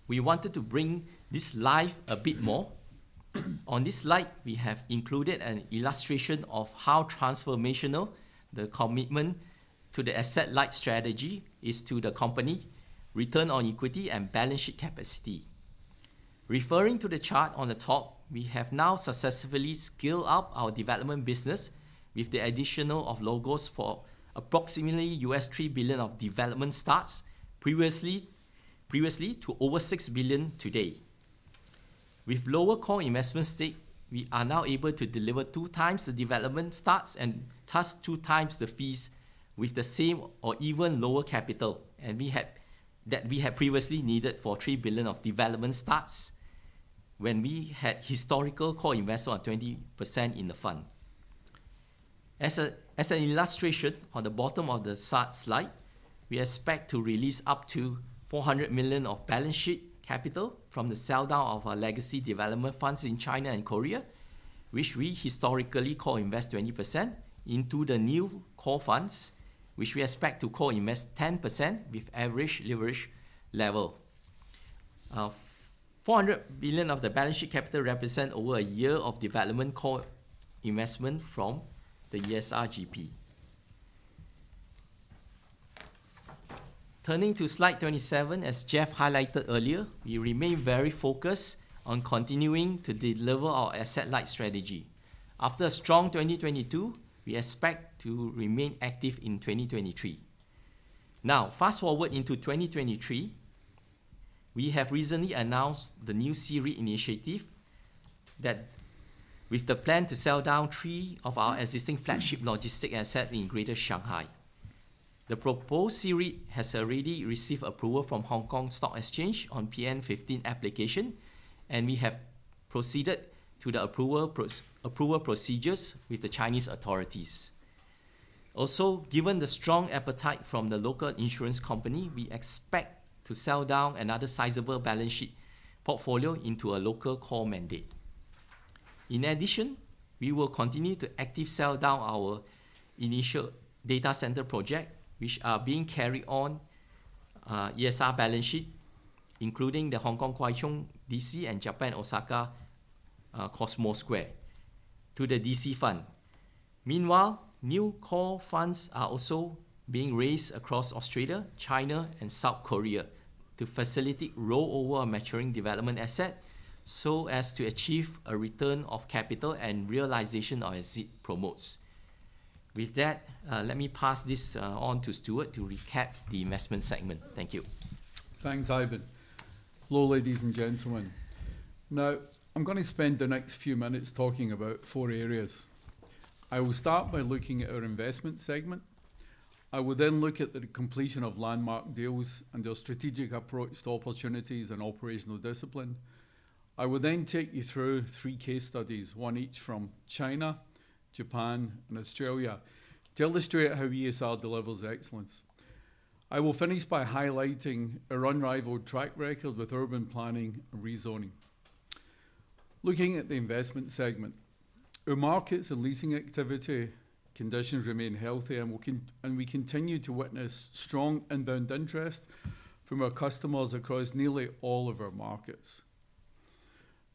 C: We wanted to bring this live a bit more. On this slide, we have included an illustration of how transformational the commitment to the asset-light strategy is to the company return on equity and balance sheet capacity. Referring to the chart on the top, we have now successfully scaled up our development business with the addition of LOGOS for approximately $3 billion of development starts previously to over $6 billion today. With lower core investment stake, we are now able to deliver two times the development starts and thus two times the fees with the same or even lower capital, that we had previously needed for $3 billion of development starts when we had historical core investment of 20% in the fund. As an illustration on the bottom of the slide, we expect to release up to $400 million of balance sheet capital from the sell-down of our legacy development funds in China and Korea, which we historically co-invest 20% into the new core funds, which we expect to co-invest 10% with average leverage level. Four hundred billion of the balance sheet capital represent over a year of development core investment from the ESR GP. Turning to slide 27, as Jeff highlighted earlier, we remain very focused on continuing to deliver our asset-light strategy. After a strong 2022, we expect to remain active in 2023. Now, fast-forward into 2023, we have recently announced the new C-REIT initiative that with the plan to sell down three of our existing flagship logistic asset in Greater Shanghai. The proposed C-REIT has already received approval from Hong Kong Stock Exchange on PN15 application. We have proceeded to the approval procedures with the Chinese authorities. Given the strong appetite from the local insurance company, we expect to sell down another sizable balance sheet portfolio into a local core mandate. We will continue to active sell down our initial data center project, which are being carried on ESR balance sheet, including the Hong Kong Kwai Chung DC and Japan Osaka Cosmo Square to the DC fund. New core funds are also being raised across Australia, China, and South Korea to facilitate rollover maturing development asset so as to achieve a return of capital and realization of exit promotes. With that, let me pass this on to Stuart to recap the investment segment. Thank you.
D: Thanks, Ivan. Now, I'm gonna spend the next few minutes talking about four areas. I will start by looking at our investment segment. I will look at the completion of landmark deals and their strategic approach to opportunities and operational discipline. I will take you through three case studies, one each from China, Japan, and Australia, to illustrate how ESR delivers excellence. I will finish by highlighting our unrivaled track record with urban planning and rezoning. Looking at the investment segment, our markets and leasing activity conditions remain healthy and we continue to witness strong inbound interest from our customers across nearly all of our markets.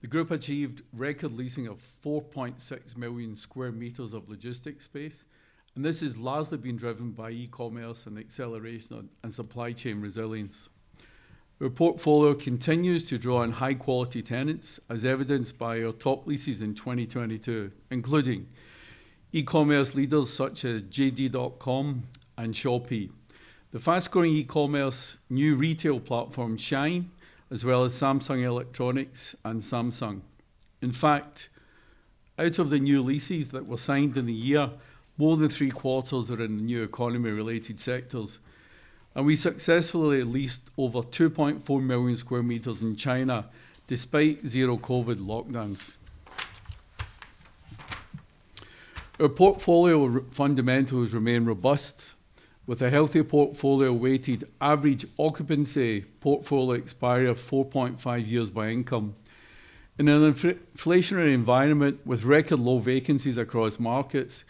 D: The group achieved record leasing of 4.6 million square meters of logistics space, and this has largely been driven by e-commerce and acceleration and supply chain resilience. Our portfolio continues to draw on high quality tenants as evidenced by our top leases in 2022, including e-commerce leaders such as JD.com and Shopee. The fast-growing e-commerce new retail platform SHEIN, as well as Samsung Electronics and Samsung. In fact, out of the new leases that were signed in the year, more than three quarters are in the New Economy related sectors. We successfully leased over 2.4 million square meters in China despite zero COVID lockdowns. Our portfolio fundamentals remain robust with a healthy portfolio weighted average occupancy portfolio expiry of 4.5 years by income. In an inflationary environment with record low vacancies across markets,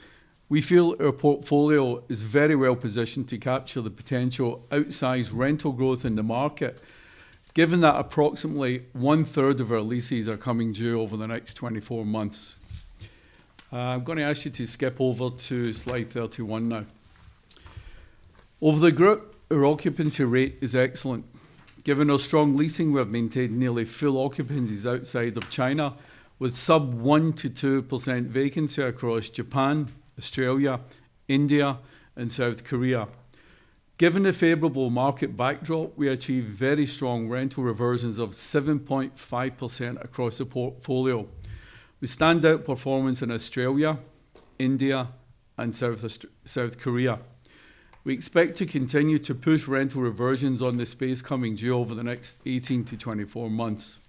D: we feel our portfolio is very well positioned to capture the potential outsized rental growth in the market, given that approximately one-third of our leases are coming due over the next 24 months. I'm gonna ask you to skip over to slide 31 now. Over the group, our occupancy rate is excellent. Given our strong leasing, we have maintained nearly full occupancies outside of China, with sub 1%-2% vacancy across Japan, Australia, India and South Korea. Given the favorable market backdrop, we achieved very strong rental reversions of 7.5% across the portfolio. We stand out performance in Australia, India and South Korea. We expect to continue to push rental reversions on the space coming due over the next 18-24 months,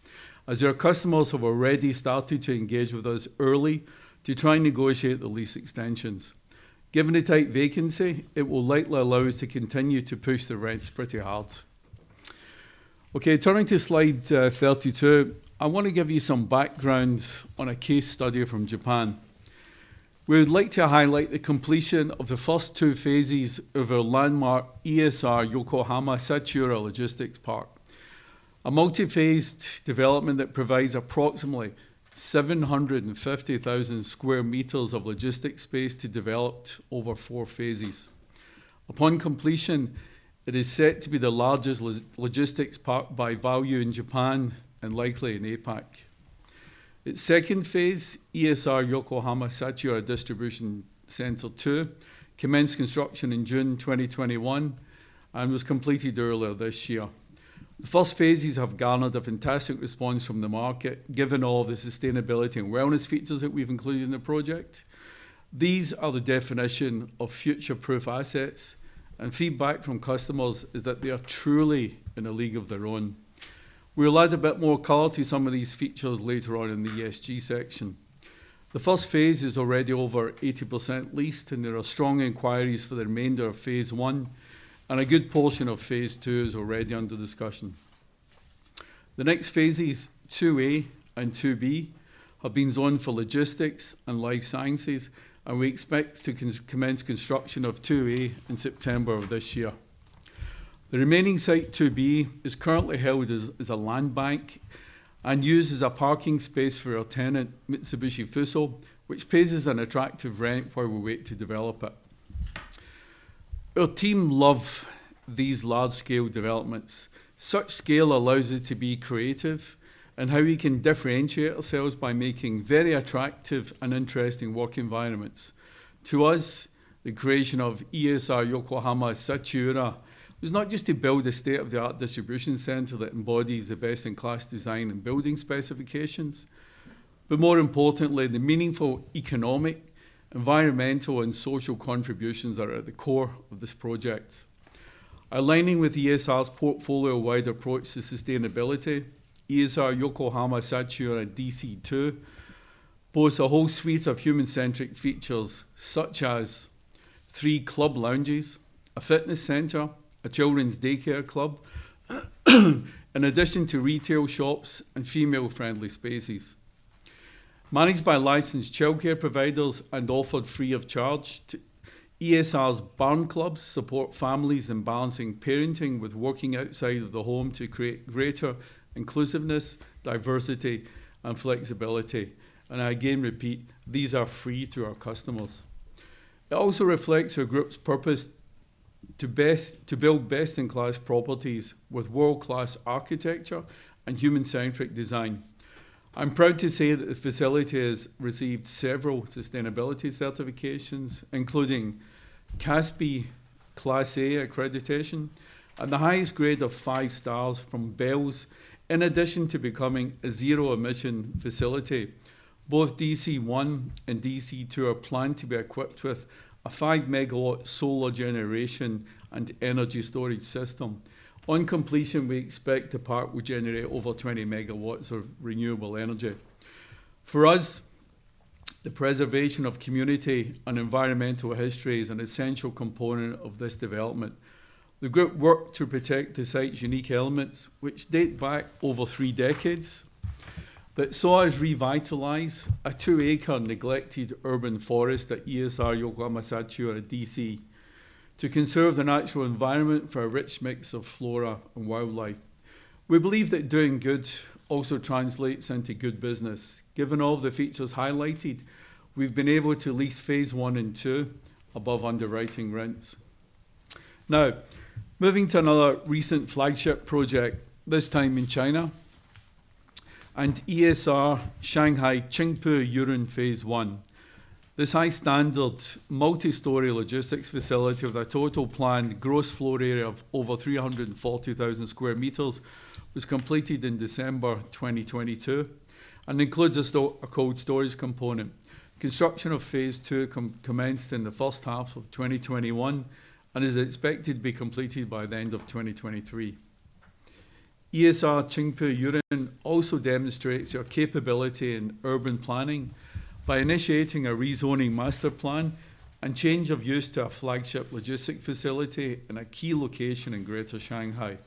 D: as our customers have already started to engage with us early to try and negotiate the lease extensions. Given the tight vacancy, it will likely allow us to continue to push the rents pretty hard. Turning to slide 32, I wanna give you some background on a case study from Japan. We would like to highlight the completion of the first two phases of our landmark ESR Yokohama Sachiura Logistics Park. A multi-phased development that provides approximately 750,000 square meters of logistics space to developed over four phases. Upon completion, it is set to be the largest logistics park by value in Japan and likely in APAC. Its second phase, ESR Yokohama Sachiura Distribution Centre 2, commenced construction in June 2021 and was completed earlier this year. The first phases have garnered a fantastic response from the market, given all the sustainability and wellness features that we've included in the project. These are the definition of future-proof assets, and feedback from customers is that they are truly in a league of their own. We'll add a bit more color to some of these features later on in the ESG section. The first phase is already over 80% leased, and there are strong inquiries for the remainder of phase one, and a good portion of Phase II is already under discussion. The next phases, II-A and II-B, have been zoned for logistics and life sciences, and we expect to commence construction of II-A in September of this year. The remaining site, II-B, is currently held as a land bank and used as a parking space for our tenant, Mitsubishi Fuso, which pays us an attractive rent while we wait to develop it. Our team love these large-scale developments. Such scale allows us to be creative in how we can differentiate ourselves by making very attractive and interesting work environments. To us, the creation of ESR Yokohama Sachiura was not just to build a state-of-the-art distribution center that embodies the best-in-class design and building specifications, but more importantly, the meaningful economic, environmental and social contributions that are at the core of this project. Aligning with ESR's portfolio-wide approach to sustainability, ESR Yokohama Sachiura DC 2 boasts a whole suite of human-centric features, such as three club lounges, a fitness center, a children's daycare club in addition to retail shops and female-friendly spaces. Managed by licensed childcare providers and offered free of charge, ESR's Barn Klubb support families in balancing parenting with working outside of the home to create greater inclusiveness, diversity and flexibility. I again repeat, these are free to our customers. It also reflects our group's purpose to build best-in-class properties with world-class architecture and human-centric design. I'm proud to say that the facility has received several sustainability certifications, including CASBEE Class A accreditation and the highest grade of 5 stars from BELS, in addition to becoming a zero emission facility. Both DC 1 and DC 2 are planned to be equipped with a 5 MW solar generation and energy storage system. On completion, we expect the park will generate over 20 MW of renewable energy. For us, the preservation of community and environmental history is an essential component of this development. The group worked to protect the site's unique elements, which date back over three decades. That saw us revitalize a 2 acre neglected urban forest at ESR Yokohama Sachiura DC to conserve the natural environment for a rich mix of flora and wildlife. We believe that doing good also translates into good business. Given all the features highlighted, we've been able to lease Phase 1 and 2 above underwriting rents. Now, moving to another recent flagship project, this time in China. ESR Shanghai Qingpu Yurun Phase 1. This high-standard multi-story logistics facility with a total planned gross floor area of over 340,000 square meters was completed in December 2022 and includes a cold storage component. Construction of Phase 2 commenced in the first half of 2021 and is expected to be completed by the end of 2023. ESR Qingpu Yurun also demonstrates our capability in urban planning by initiating a rezoning master plan and change of use to our flagship logistics facility in a key location in Greater Shanghai.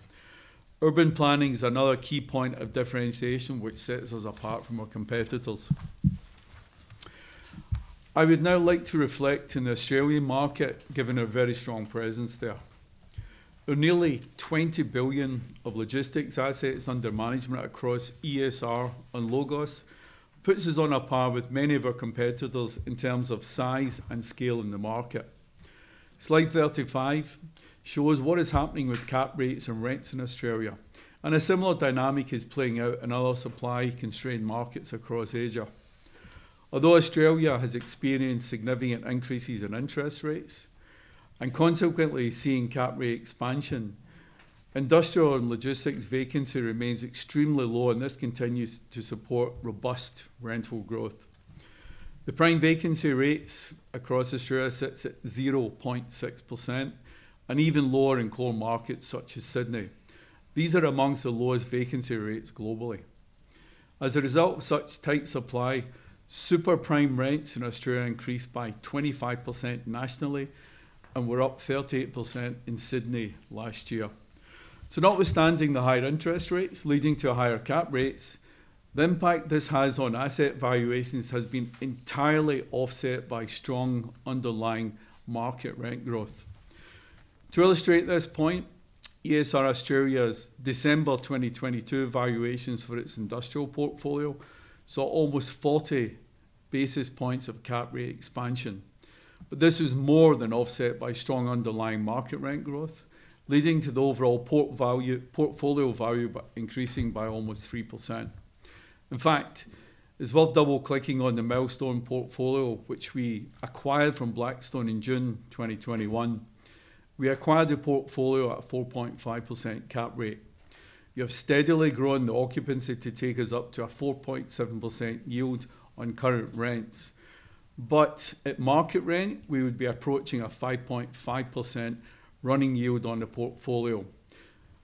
D: Urban planning is another key point of differentiation which sets us apart from our competitors. I would now like to reflect on the Australian market, given our very strong presence there. Our nearly $20 billion of logistics assets under management across ESR and LOGOS puts us on a par with many of our competitors in terms of size and scale in the market. Slide 35 shows what is happening with cap rates and rents in Australia, and a similar dynamic is playing out in other supply-constrained markets across Asia. Although Australia has experienced significant increases in interest rates and consequently seeing cap rate expansion, industrial and logistics vacancy remains extremely low, and this continues to support robust rental growth. The prime vacancy rates across Australia sits at 0.6% and even lower in core markets such as Sydney. These are amongst the lowest vacancy rates globally. As a result of such tight supply, super prime rents in Australia increased by 25% nationally and were up 38% in Sydney last year. Notwithstanding the higher interest rates leading to higher cap rates, the impact this has on asset valuations has been entirely offset by strong underlying market rent growth. To illustrate this point, ESR Australia's December 2022 valuations for its industrial portfolio saw almost 40 basis points of cap rate expansion. This was more than offset by strong underlying market rent growth, leading to the overall portfolio value increasing by almost 3%. In fact, it's worth double-clicking on the Milestone portfolio, which we acquired from Blackstone in June 2021. We acquired the portfolio at a 4.5% cap rate. We have steadily grown the occupancy to take us up to a 4.7% yield on current rents. At market rent, we would be approaching a 5.5% running yield on the portfolio.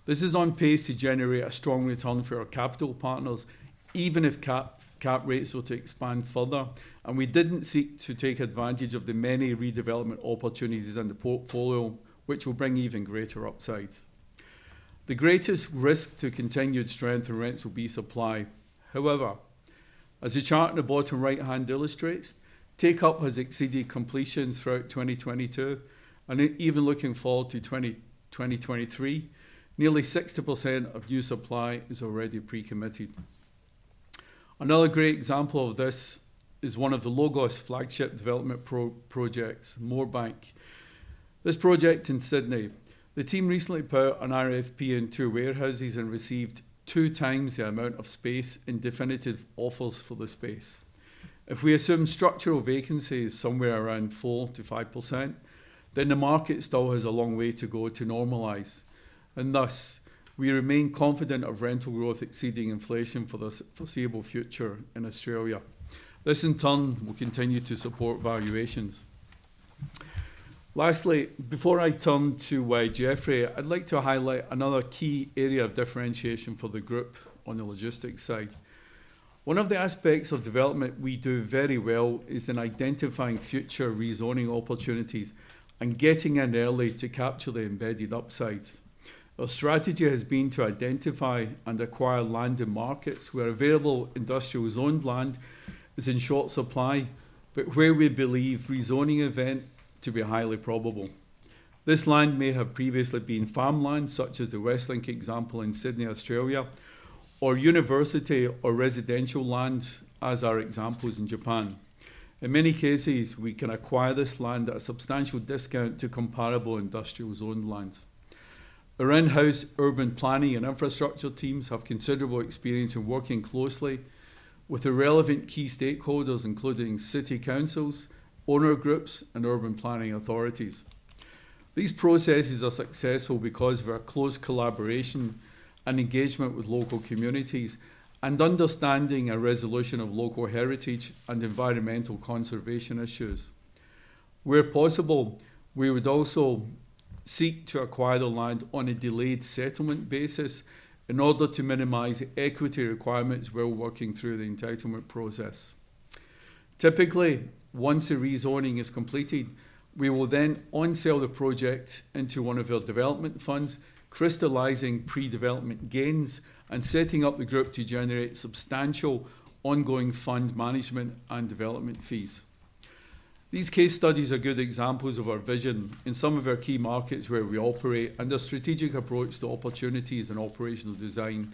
D: This is on pace to generate a strong return for our capital partners, even if cap rates were to expand further, and we didn't seek to take advantage of the many redevelopment opportunities in the portfolio which will bring even greater upsides. The greatest risk to continued strength in rents will be supply. However, as the chart in the bottom right-hand illustrates, take-up has exceeded completions throughout 2022, and even looking forward to 2023, nearly 60% of new supply is already pre-committed. Another great example of this is one of the LOGOS flagship development projects, Moorebank. This project in Sydney, the team recently put an RFP in two warehouses and received two times the amount of space in definitive offers for the space. If we assume structural vacancy is somewhere around 4%-5%, the market still has a long way to go to normalize. Thus, we remain confident of rental growth exceeding inflation for the foreseeable future in Australia. This, in turn, will continue to support valuations. Lastly, before I turn to Jeffrey, I'd like to highlight another key area of differentiation for the group on the logistics side. One of the aspects of development we do very well is in identifying future rezoning opportunities and getting in early to capture the embedded upsides. Our strategy has been to identify and acquire land in markets where available industrial zoned land is in short supply, but where we believe rezoning event to be highly probable. This land may have previously been farmland, such as the Westlink example in Sydney, Australia, or university or residential land, as are examples in Japan. In many cases, we can acquire this land at a substantial discount to comparable industrial zoned lands. Our in-house urban planning and infrastructure teams have considerable experience in working closely with the relevant key stakeholders, including city councils, owner groups, and urban planning authorities. These processes are successful because of our close collaboration and engagement with local communities and understanding a resolution of local heritage and environmental conservation issues. Where possible, we would also seek to acquire the land on a delayed settlement basis in order to minimize equity requirements while working through the entitlement process. Typically, once the rezoning is completed, we will then onsell the project into one of our development funds, crystallizing pre-development gains and setting up the group to generate substantial ongoing fund management and development fees. These case studies are good examples of our vision in some of our key markets where we operate and our strategic approach to opportunities and operational design,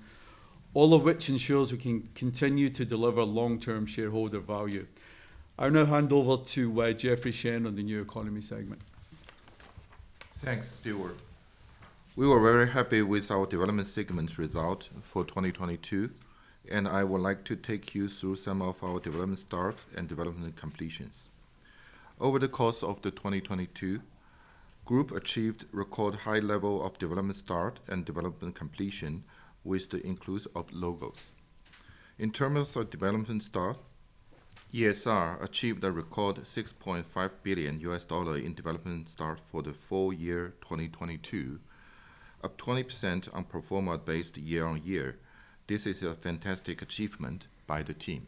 D: all of which ensures we can continue to deliver long-term shareholder value. I now hand over to Jeffrey Shen on the New Economy segment.
E: Thanks, Stuart. We were very happy with our development segment result for 2022. I would like to take you through some of our development start and development completions. Over the course of the 2022, Group achieved record high level of development start and development completion with the includes of LOGOS. In terms of development start, ESR achieved a record $6.5 billion in development start for the full year 2022, up 20% on pro forma based year-on-year. This is a fantastic achievement by the team.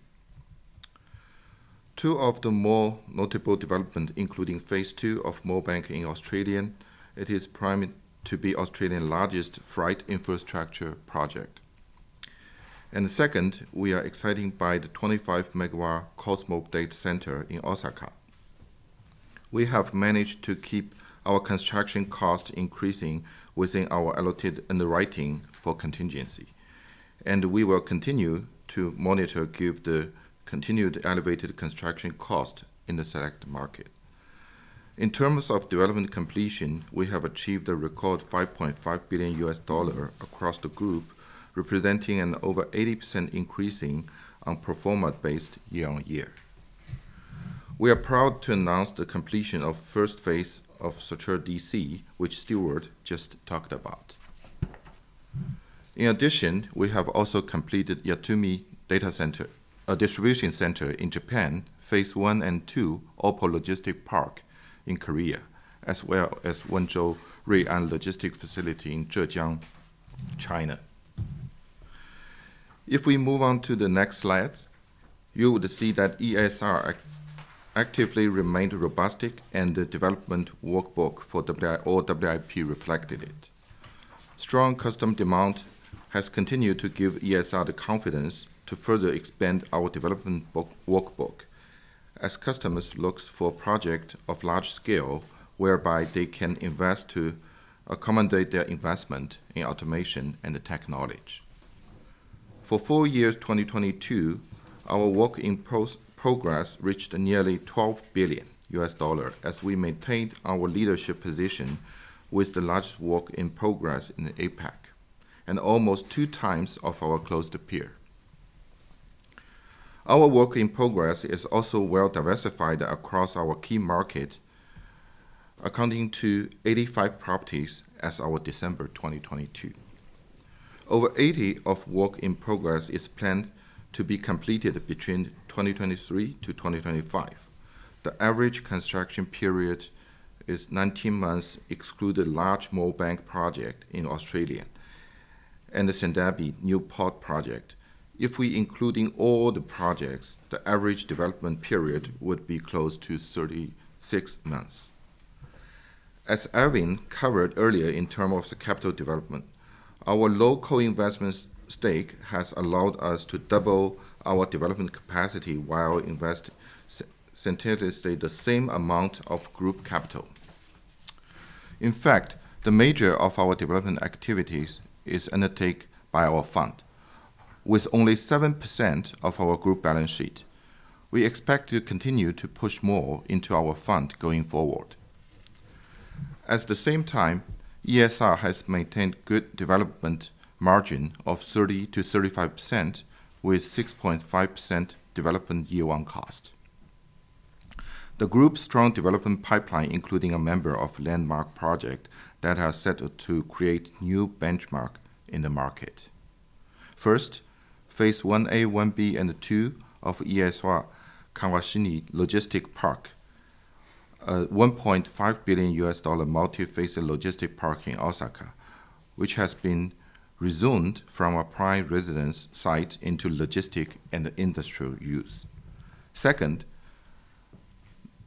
E: Two of the more notable development, including Phase 2 of Moorebank in Australia. It is primed to be Australian largest freight infrastructure project. Second, we are exciting by the 25 MW Cosmo Data Center in Osaka. We have managed to keep our construction cost increasing within our allotted underwriting for contingency, and we will continue to monitor give the continued elevated construction cost in the select market. In terms of development completion, we have achieved a record $5.5 billion across the group, representing an over 80% increasing on pro forma based year-over-year. We are proud to announce the completion of first phase of Sachiura DC, which Stuart just talked about. In addition, we have also completed Yatomi Distribution Center in Japan, Phase 1 and 2 Opo Logistics Park in Korea, as well as Wenzhou Ruian Logistics Facility in Zhejiang, China. If we move on to the next slide, you would see that ESR actively remained robustic and the development workbook for all WIP reflected it. Strong custom demand has continued to give ESR the confidence to further expand our development workbook as customers looks for project of large scale whereby they can invest to accommodate their investment in automation and the technology. For full year 2022, our work in progress reached nearly $12 billion as we maintained our leadership position with the largest work in progress in the APAC, and almost two times of our close peer. Our work in progress is also well diversified across our key market, accounting to 85 properties as our December 2022. Over 80 of work in progress is planned to be completed between 2023-2025. The average construction period is 19 months, excluded large Moorebank project in Australia and the Sindabi Newport project. If we including all the projects, the average development period would be close to 36 months. As Ivan Lim covered earlier in term of the capital development, our low co-investment stake has allowed us to double our development capacity while invest synthetically the same amount of group capital. In fact, the major of our development activities is undertake by our fund. With only 7% of our group balance sheet, we expect to continue to push more into our fund going forward. At the same time, ESR has maintained good development margin of 30%-35% with 6.5% development yield on cost. The group's strong development pipeline, including a member of landmark project that has set to create new benchmark in the market. First, Phase 1A, 1B, and 2 of ESR Kawanishi Logistic Park, a $1.5 billion multi-phase logistic park in Osaka, which has been rezoned from a prime residence site into logistic and industrial use. Second,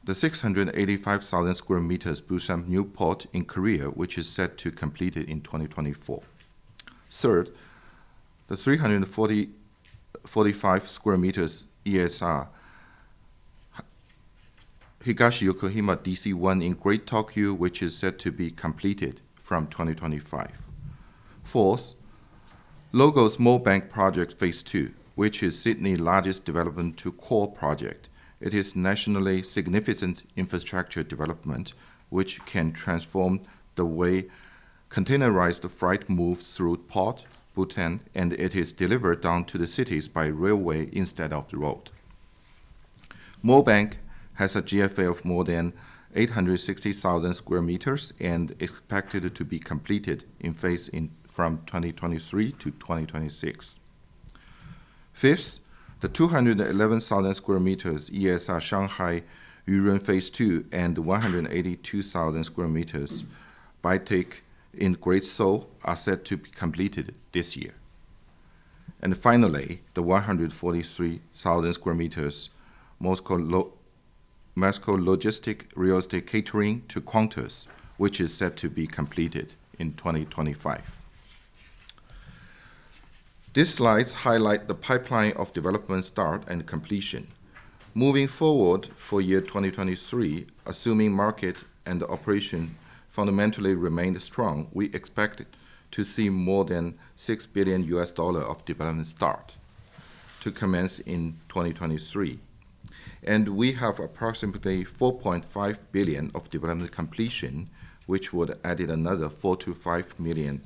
E: the 685,000 square meters Busan Newport in Korea, which is set to completed in 2024. Third, the 345 square meters ESR Higashi Yokohama DC 1 in Greater Tokyo, which is set to be completed from 2025. Fourth, LOGOS Moorebank Project Phase 2, which is Sydney's largest development to core project. It is nationally significant infrastructure development which can transform the way containerized freight moves through port, Bhutan, and it is delivered down to the cities by railway instead of the road. Moorebank has a GFA of more than 860,000 square meters and expected to be completed in phase in from 2023-2026. Fifth, the 211,000 square meters ESR Shanghai Yuran Phase 2 and 182,000 sqm Pyeongtaek in Greater Seoul are set to be completed this year. Finally, the 143,000 square meters LOGOS Logistic Real Estate Catering to Qantas, which is set to be completed in 2025. These slides highlight the pipeline of development start and completion. For year 2023, assuming market and the operation fundamentally remained strong, we expect to see more than $6 billion of development start. To commence in 2023. We have approximately $4.5 billion of development completion, which would added another 4 million-5 million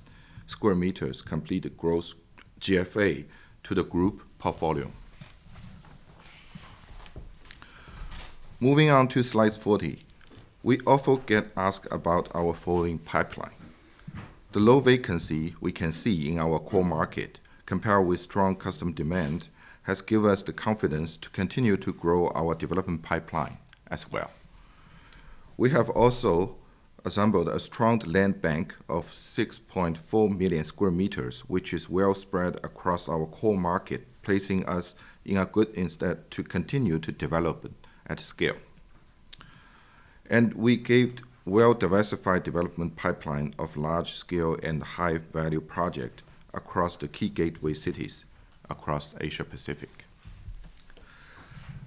E: square meters completed gross GFA to the group portfolio. On to slide 40. We often get asked about our following pipeline. The low vacancy we can see in our core market compared with strong customer demand has give us the confidence to continue to grow our development pipeline as well. We have also assembled a strong land bank of 6.4 million square meters, which is well spread across our core market, placing us in a good instead to continue to develop at scale. We gave well-diversified development pipeline of large scale and high value project across the key gateway cities across Asia Pacific.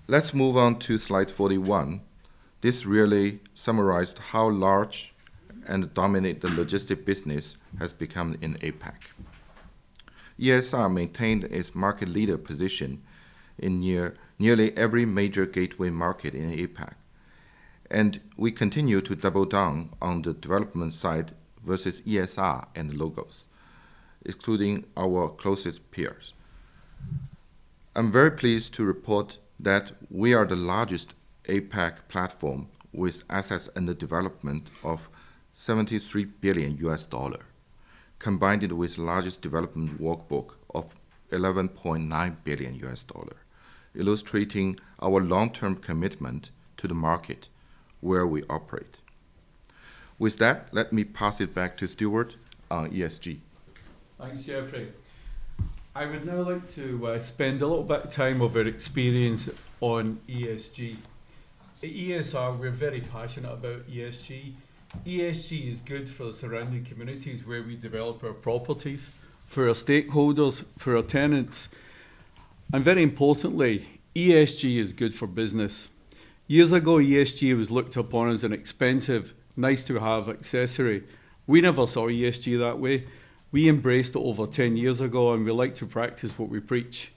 E: Let's move on to slide 41. This really summarized how large and dominant the logistic business has become in APAC. ESR maintained its market leader position in nearly every major gateway market in APAC. We continue to double down on the development side versus ESR and LOGOS, excluding our closest peers. I'm very pleased to report that we are the largest APAC platform with assets under development of $73 billion, combined with largest development workbook of $11.9 billion, illustrating our long-term commitment to the market where we operate. With that, let me pass it back to Stuart on ESG.
D: Thanks, Jeffrey. I would now like to spend a little bit of time of our experience on ESG. At ESR, we're very passionate about ESG. ESG is good for the surrounding communities where we develop our properties, for our stakeholders, for our tenants. Very importantly, ESG is good for business. Years ago, ESG was looked upon as an expensive, nice-to-have accessory. We never saw ESG that way. We embraced it over 10 years ago, and we like to practice what we preach.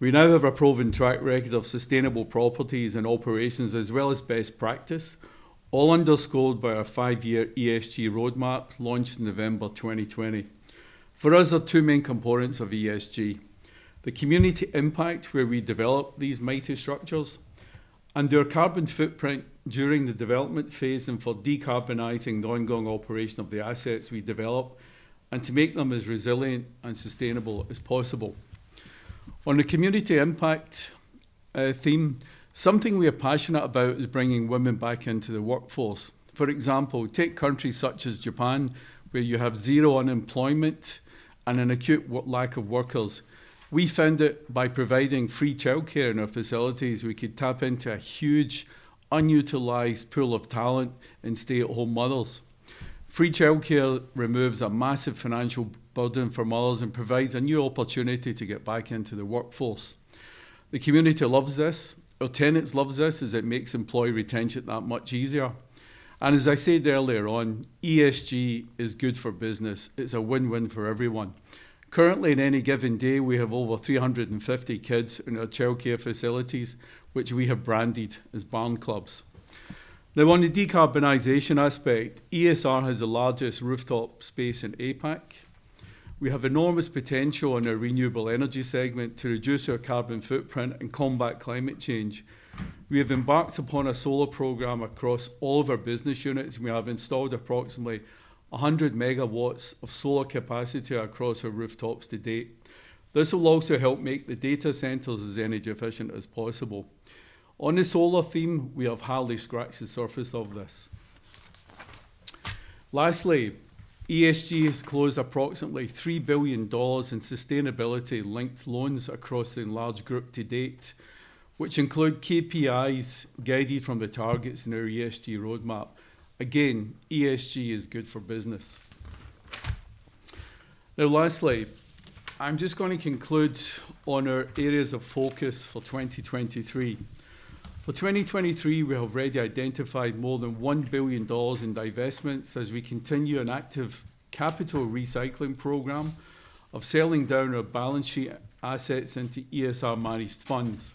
D: We now have a proven track record of sustainable properties and operations, as well as best practice, all underscored by our five-year ESG roadmap launched November 2020. For us, there are two main components of ESG. The community impact, where we develop these mighty structures, and their carbon footprint during the development phase and for decarbonizing the ongoing operation of the assets we develop, and to make them as resilient and sustainable as possible. On the community impact theme, something we are passionate about is bringing women back into the workforce. For example, take countries such as Japan, where you have zero unemployment and an acute lack of workers. We found that by providing free childcare in our facilities, we could tap into a huge unutilized pool of talent in stay-at-home mothers. Free childcare removes a massive financial burden for mothers and provides a new opportunity to get back into the workforce. The community loves this. Our tenants loves this as it makes employee retention that much easier. As I said earlier on, ESG is good for business. It's a win-win for everyone. Currently, in any given day, we have over 350 kids in our childcare facilities, which we have branded as Barn Klubb. On the decarbonization aspect, ESR has the largest rooftop space in APAC. We have enormous potential in our renewable energy segment to reduce our carbon footprint and combat climate change. We have embarked upon a solar program across all of our business units, and we have installed approximately 100 MW of solar capacity across our rooftops to date. This will also help make the data centers as energy efficient as possible. On the solar theme, we have hardly scratched the surface of this. Lastly, ESG has closed approximately $3 billion in sustainability-linked loans across the enlarged group to date, which include KPIs guided from the targets in our ESG roadmap. Again, ESG is good for business. Lastly, I'm just going to conclude on our areas of focus for 2023. For 2023, we have already identified more than $1 billion in divestments as we continue an active capital recycling program of selling down our balance sheet assets into ESR managed funds.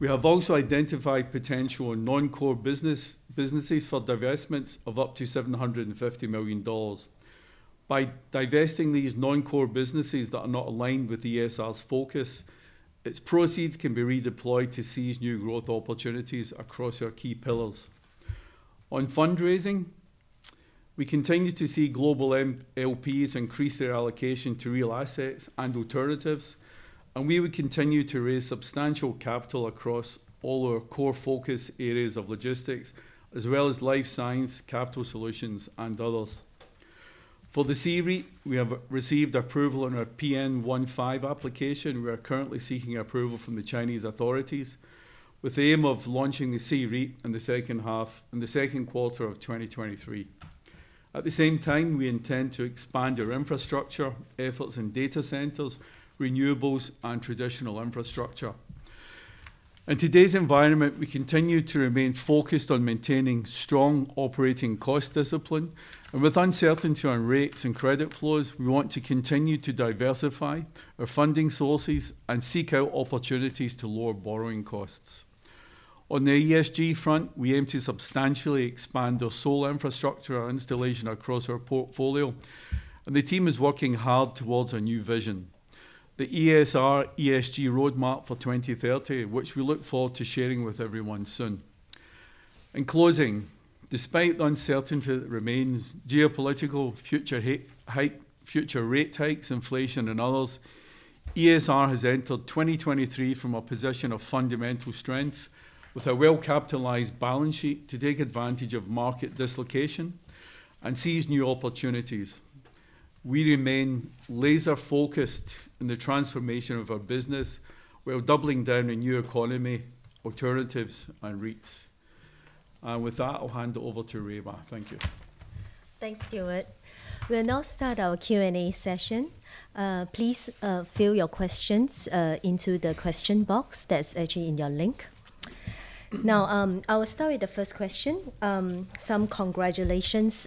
D: We have also identified potential in non-core businesses for divestments of up to $750 million. By divesting these non-core businesses that are not aligned with ESR's focus, its proceeds can be redeployed to seize new growth opportunities across our key pillars. On fundraising, we continue to see global LPs increase their allocation to real assets and alternatives. We will continue to raise substantial capital across all our core focus areas of logistics, as well as life science, capital solutions, and others. For the C-REIT, we have received approval on our PN15 application. We are currently seeking approval from the Chinese authorities, with the aim of launching the C-REIT in the second quarter of 2023. At the same time, we intend to expand our infrastructure efforts in data centers, renewables, and traditional infrastructure. In today's environment, we continue to remain focused on maintaining strong operating cost discipline. With uncertainty on rates and credit flows, we want to continue to diversify our funding sources and seek out opportunities to lower borrowing costs. On the ESG front, we aim to substantially expand our solar infrastructure and installation across our portfolio, and the team is working hard towards our new vision. The ESR ESG roadmap for 2030, which we look forward to sharing with everyone soon. In closing, despite the uncertainty that remains, geopolitical future rate hikes, inflation, and others, ESR has entered 2023 from a position of fundamental strength with a well-capitalized balance sheet to take advantage of market dislocation and seize new opportunities. We remain laser-focused in the transformation of our business. We are doubling down in New Economy alternatives and REITs. With that, I'll hand it over to Rui Hua. Thank you.
A: Thanks, Stuart. We'll now start our Q&A session. Please fill your questions into the question box that's actually in your link. I will start with the first question. Some congratulations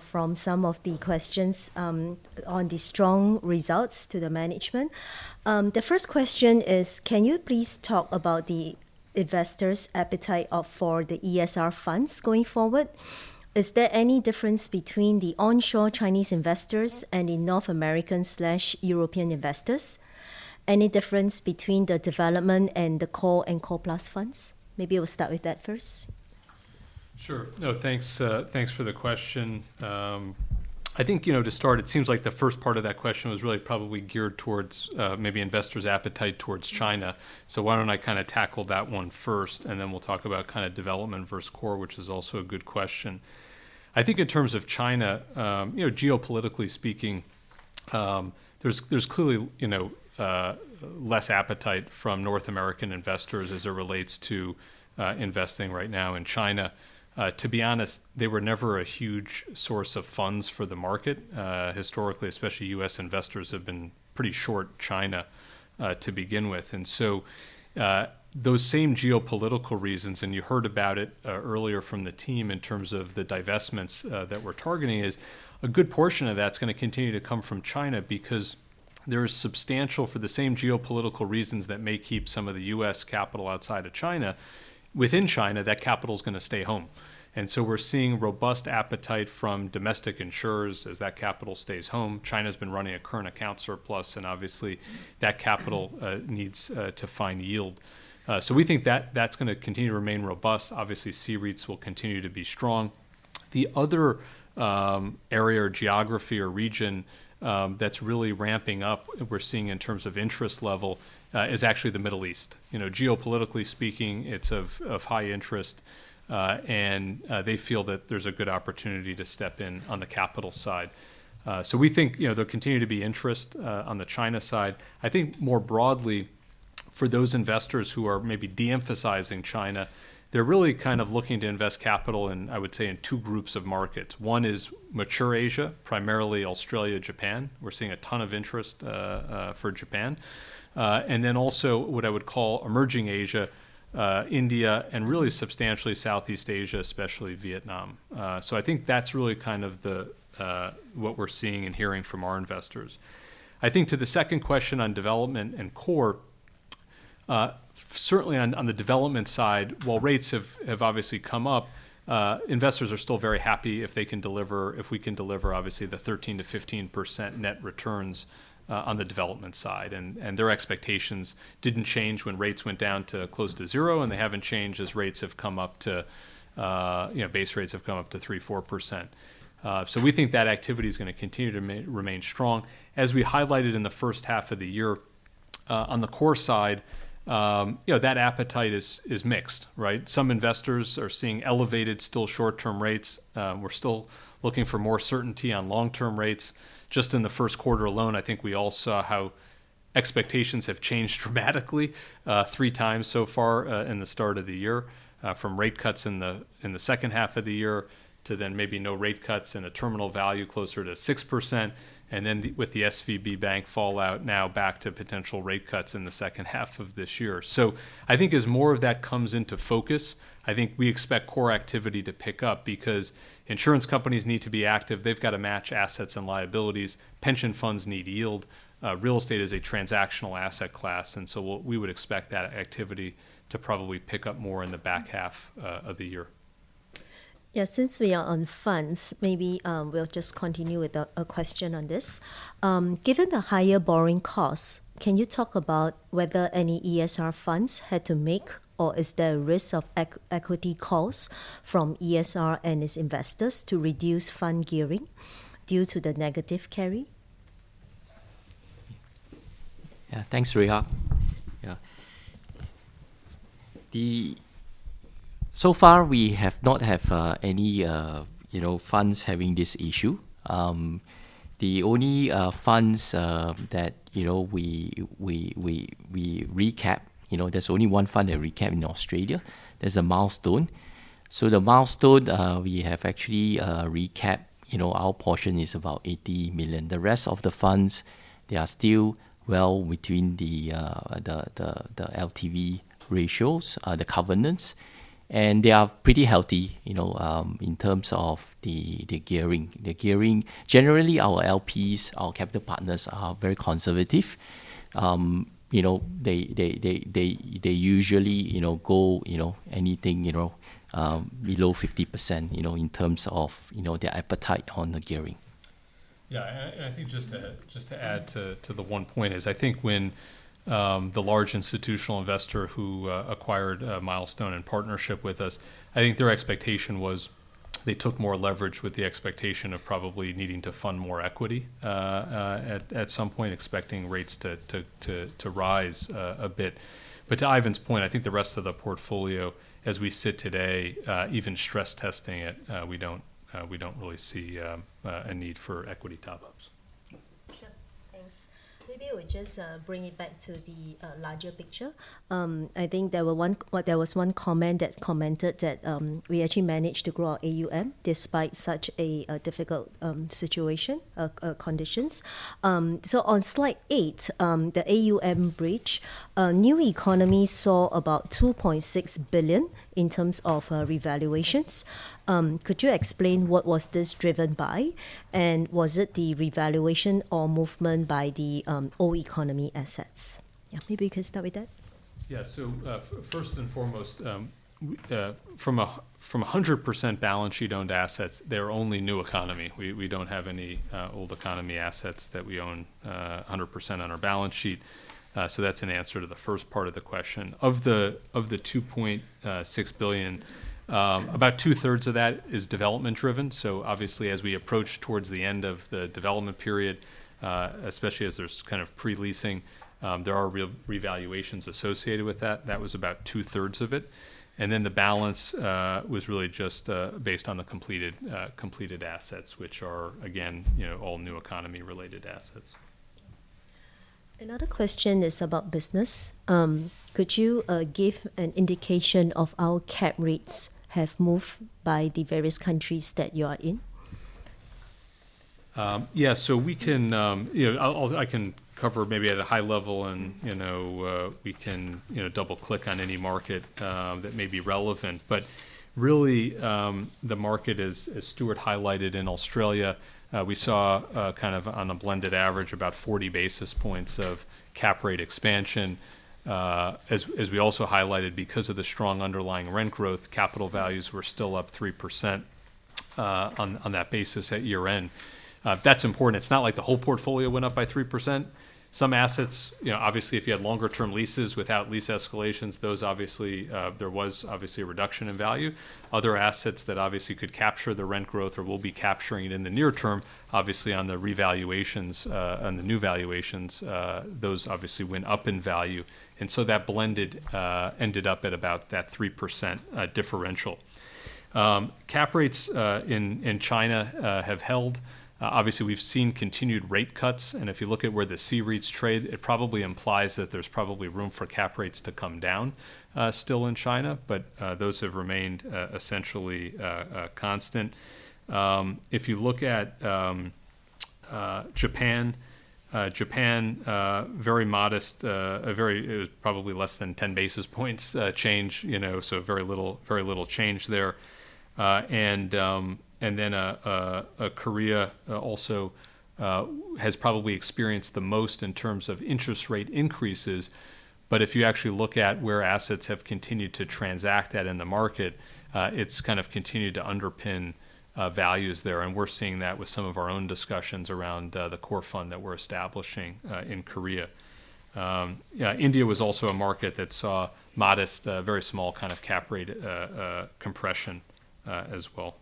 A: from some of the questions on the strong results to the management. The first question is, can you please talk about the investors' appetite for the ESR funds going forward? Is there any difference between the onshore Chinese investors and the North American/European investors? Any difference between the development and the core and core plus funds? Maybe we'll start with that first.
B: Sure. No, thanks for the question. I think, you know, to start, it seems like the first part of that question was really probably geared towards, maybe investors' appetite towards China. Why don't I kind of tackle that one first, and then we'll talk about kind of development versus core, which is also a good question. I think in terms of China, you know, geopolitically speaking, there's clearly, you know, less appetite from North American investors as it relates to investing right now in China. To be honest, they were never a huge source of funds for the market. Historically, especially U.S. investors have been pretty short China, to begin with. Those same geopolitical reasons, and you heard about it earlier from the team in terms of the divestments that we're targeting, is a good portion of that's gonna continue to come from China because there is substantial for the same geopolitical reasons that may keep some of the U.S. capital outside of China. Within China, that capital's gonna stay home. We're seeing robust appetite from domestic insurers as that capital stays home. China's been running a current account surplus, and obviously that capital needs to find yield. We think that that's gonna continue to remain robust. Obviously, C-REITs will continue to be strong. The other area or geography or region that's really ramping up, we're seeing in terms of interest level, is actually the Middle East. You know, geopolitically speaking, it's of high interest, and they feel that there's a good opportunity to step in on the capital side. We think, you know, there'll continue to be interest on the China side. I think more broadly for those investors who are maybe de-emphasizing China, they're really kind of looking to invest capital in, I would say, in two groups of markets. One is mature Asia, primarily Australia, Japan. We're seeing a ton of interest for Japan. Then also what I would call emerging Asia, India, and really substantially Southeast Asia, especially Vietnam. I think that's really kind of the what we're seeing and hearing from our investors. I think to the second question on development and core, certainly on the development side, while rates have obviously come up, investors are still very happy if we can deliver obviously the 13%-15% net returns on the development side. Their expectations didn't change when rates went down to close to zero, and they haven't changed as rates have come up to, you know, base rates have come up to 3%, 4%. We think that activity is gonna continue to remain strong. As we highlighted in the first half of the year, on the core side, you know, that appetite is mixed, right? Some investors are seeing elevated still short-term rates. We're still looking for more certainty on long-term rates. Just in the first quarter alone, I think we all saw how expectations have changed dramatically, three times so far, in the start of the year, from rate cuts in the, in the second half of the year to then maybe no rate cuts and a terminal value closer to 6%, and then with the SVB bank fallout now back to potential rate cuts in the second half of this year. I think as more of that comes into focus, I think we expect core activity to pick up because insurance companies need to be active. They've got to match assets and liabilities. Pension funds need yield. Real estate is a transactional asset class, and so we would expect that activity to probably pick up more in the back half of the year.
A: Yeah. Since we are on funds, maybe, we'll just continue with a question on this. Given the higher borrowing costs, can you talk about whether any ESR funds had to make or is there a risk of equity calls from ESR and its investors to reduce fund gearing due to the negative carry?
C: Yeah. Thanks, Rui Hua. Yeah.
D: So far we have not have any, you know, funds having this issue. The only funds that, you know, we recap, you know, there's only one fund that recap in Australia. There's a Milestone. The Milestone, we have actually recap, you know, our portion is about $80 million. The rest of the funds, they are still well between the LTV ratios, the covenants. They are pretty healthy, you know, in terms of the gearing. The gearing. Generally, our LPs, our capital partners are very conservative. You know, they usually, you know, go, you know, anything, you know, below 50%, you know, in terms of, you know, their appetite on the gearing.
B: And I think just to, just to add to the one point is I think when the large institutional investor who acquired Milestone in partnership with us, I think their expectation was they took more leverage with the expectation of probably needing to fund more equity at some point expecting rates to rise a bit. To Ivan's point, I think the rest of the portfolio as we sit today, even stress testing it, we don't really see a need for equity top-ups.
A: Sure. Thanks. Maybe we just bring it back to the larger picture. I think there was one comment that commented that we actually managed to grow our AUM despite such a difficult situation, conditions. On slide eight, the AUM bridge, New Economy saw about $2.6 billion in terms of revaluations. Could you explain what was this driven by? Was it the revaluation or movement by the old economy assets? Yeah, maybe you can start with that.
B: First and foremost, from a 100% balance sheet owned assets, they're only New Economy. We don't have any old economy assets that we own 100% on our balance sheet. That's an answer to the first part of the question. Of the $2.6 billion, about 2/3 of that is development driven. Obviously, as we approach towards the end of the development period, especially as there's kind of pre-leasing, there are real revaluations associated with that. That was about two-thirds of it. The balance was really just based on the completed assets, which are again, you know, all New Economy related assets.
A: Another question is about business. Could you give an indication of how cap rates have moved by the various countries that you are in?
B: Yeah. We can, you know, I can cover maybe at a high level and, you know, we can, you know, double click on any market that may be relevant. Really, the market as Stuart highlighted in Australia, we saw kind of on a blended average about 40 basis points of cap rate expansion. We also highlighted because of the strong underlying rent growth, capital values were still up 3% on that basis at year-end. That's important. It's not like the whole portfolio went up by 3%. Some assets, you know, obviously, if you had longer term leases without lease escalations, those obviously, there was obviously a reduction in value. Other assets that obviously could capture the rent growth or will be capturing it in the near term, obviously on the revaluations, on the new valuations, those obviously went up in value. That blended ended up at about that 3% differential. Cap rates in China have held. Obviously, we've seen continued rate cuts, and if you look at where the C-REITs trade, it probably implies that there's probably room for cap rates to come down still in China. Those have remained essentially constant. If you look at Japan. Japan, very modest, a very, probably less than 10 basis points change, you know, so very little change there. Then Korea also has probably experienced the most in terms of interest rate increases. If you actually look at where assets have continued to transact at in the market, it's kind of continued to underpin values there. We're seeing that with some of our own discussions around the core fund that we're establishing in Korea. Yeah, India was also a market that saw modest, very small kind of cap rate compression as well.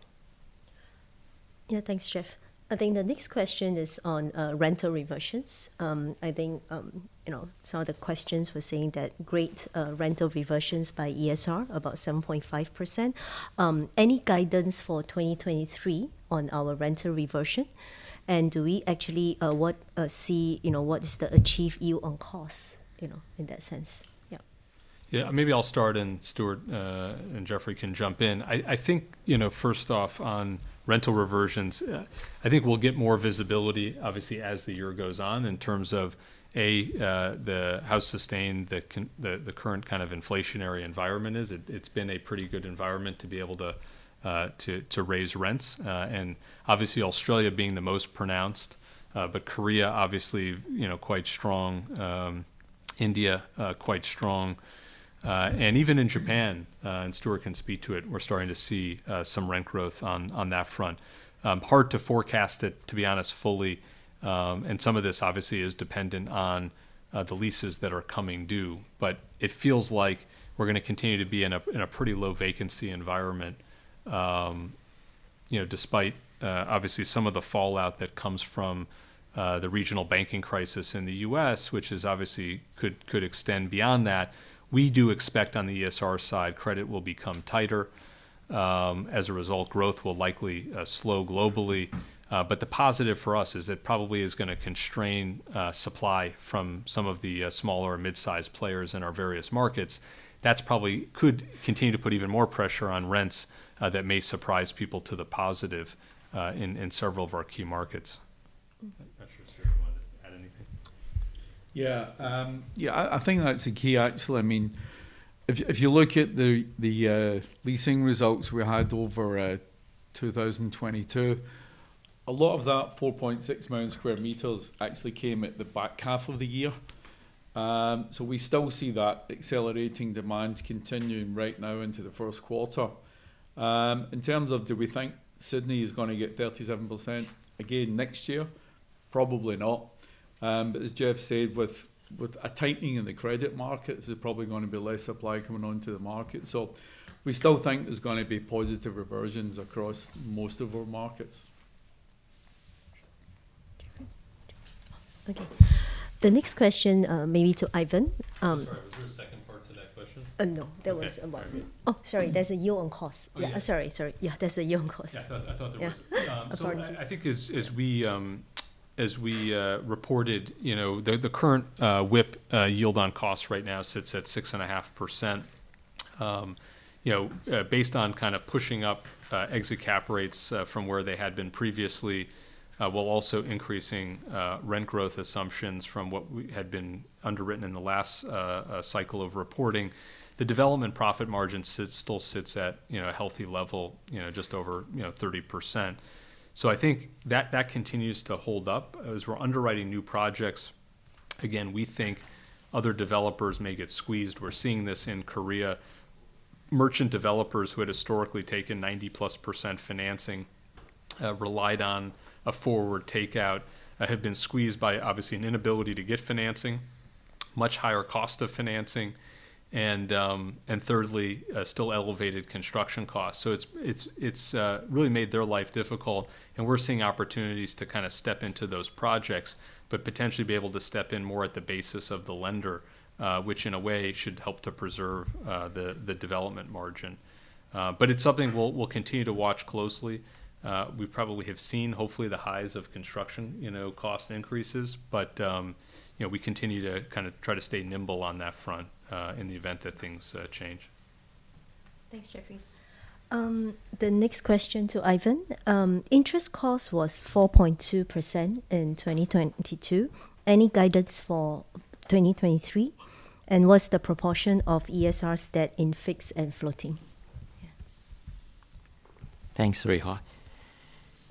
A: Yeah. Thanks, Jeff. I think the next question is on rental reversions. I think, you know, some of the questions were saying that great rental reversions by ESR, about 7.5%. Any guidance for 2023 on our rental reversion? Do we actually, what, see, you know, what is the achieve yield on cost, you know, in that sense? Yeah.
B: Yeah. Maybe I'll start, and Stuart, and Jeffrey can jump in. I think, you know, first off on rental reversions, I think we'll get more visibility obviously as the year goes on in terms of how sustained the current kind of inflationary environment is. It's been a pretty good environment to be able to raise rents. Obviously Australia being the most pronounced, but Korea obviously, you know, quite strong. India, quite strong. Even in Japan, and Stuart can speak to it, we're starting to see some rent growth on that front. Hard to forecast it, to be honest, fully. Some of this obviously is dependent on the leases that are coming due. It feels like we're gonna continue to be in a pretty low vacancy environment. You know, despite obviously some of the fallout that comes from the regional banking crisis in the U.S., which is obviously could extend beyond that, we do expect on the ESR side, credit will become tighter. As a result, growth will likely slow globally. The positive for us is it probably is gonna constrain supply from some of the smaller mid-sized players in our various markets. That's probably could continue to put even more pressure on rents that may surprise people to the positive in several of our key markets.
A: I'm not sure if Stuart wanted to add anything.
D: Yeah, I think that's a key actually. I mean, if you look at the leasing results we had over 2022, a lot of that 4.6 million square meters actually came at the back half of the year. We still see that accelerating demand continuing right now into the first quarter. In terms of do we think Sydney is gonna get 37% again next year, probably not. But as Jeff said, with a tightening in the credit markets, there's probably gonna be less supply coming onto the market. We still think there's gonna be positive reversions across most of our markets.
A: Okay. The next question, maybe to Ivan.
B: Sorry. Was there a second part to that question?
A: No.
B: Okay.
A: There was about.
B: All right.
A: Oh, sorry. There's a yield on cost.
B: Yeah.
A: Yeah. Sorry. Sorry. Yeah. There's a yield on cost.
B: Yeah. I thought there was.
A: Yeah.
B: I think as we reported, you know, the current WIP yield on cost right now sits at 6.5%. you know, based on kind of pushing up exit cap rates from where they had been previously, while also increasing rent growth assumptions from what we had been underwritten in the last cycle of reporting. The development profit margin still sits at, you know, a healthy level, you know, just over, you know, 30%. I think that continues to hold up. As we're underwriting new projects, again, we think other developers may get squeezed. We're seeing this in Korea. Merchant developers who had historically taken ninety plus percent financing, uh, relied on a forward takeout, uh, have been squeezed by obviously an inability to get financing, much higher cost of financing, and, um, and thirdly, uh, still elevated construction costs. So it's, it's, it's, uh, really made their life difficult, and we're seeing opportunities to kind of step into those projects, but potentially be able to step in more at the basis of the lender, uh, which in a way should help to preserve, uh, the, the development margin. Uh, but it's something we'll, we'll continue to watch closely. Uh, we probably have seen hopefully the highs of construction, you know, cost increases. But, um, you know, we continue to kind of try to stay nimble on that front, uh, in the event that things, uh, change.
A: Thanks, Jeffrey. The next question to Ivan. Interest cost was 4.2% in 2022. Any guidance for 2023? What's the proportion of ESR's debt in fixed and floating?
C: Thanks, Rui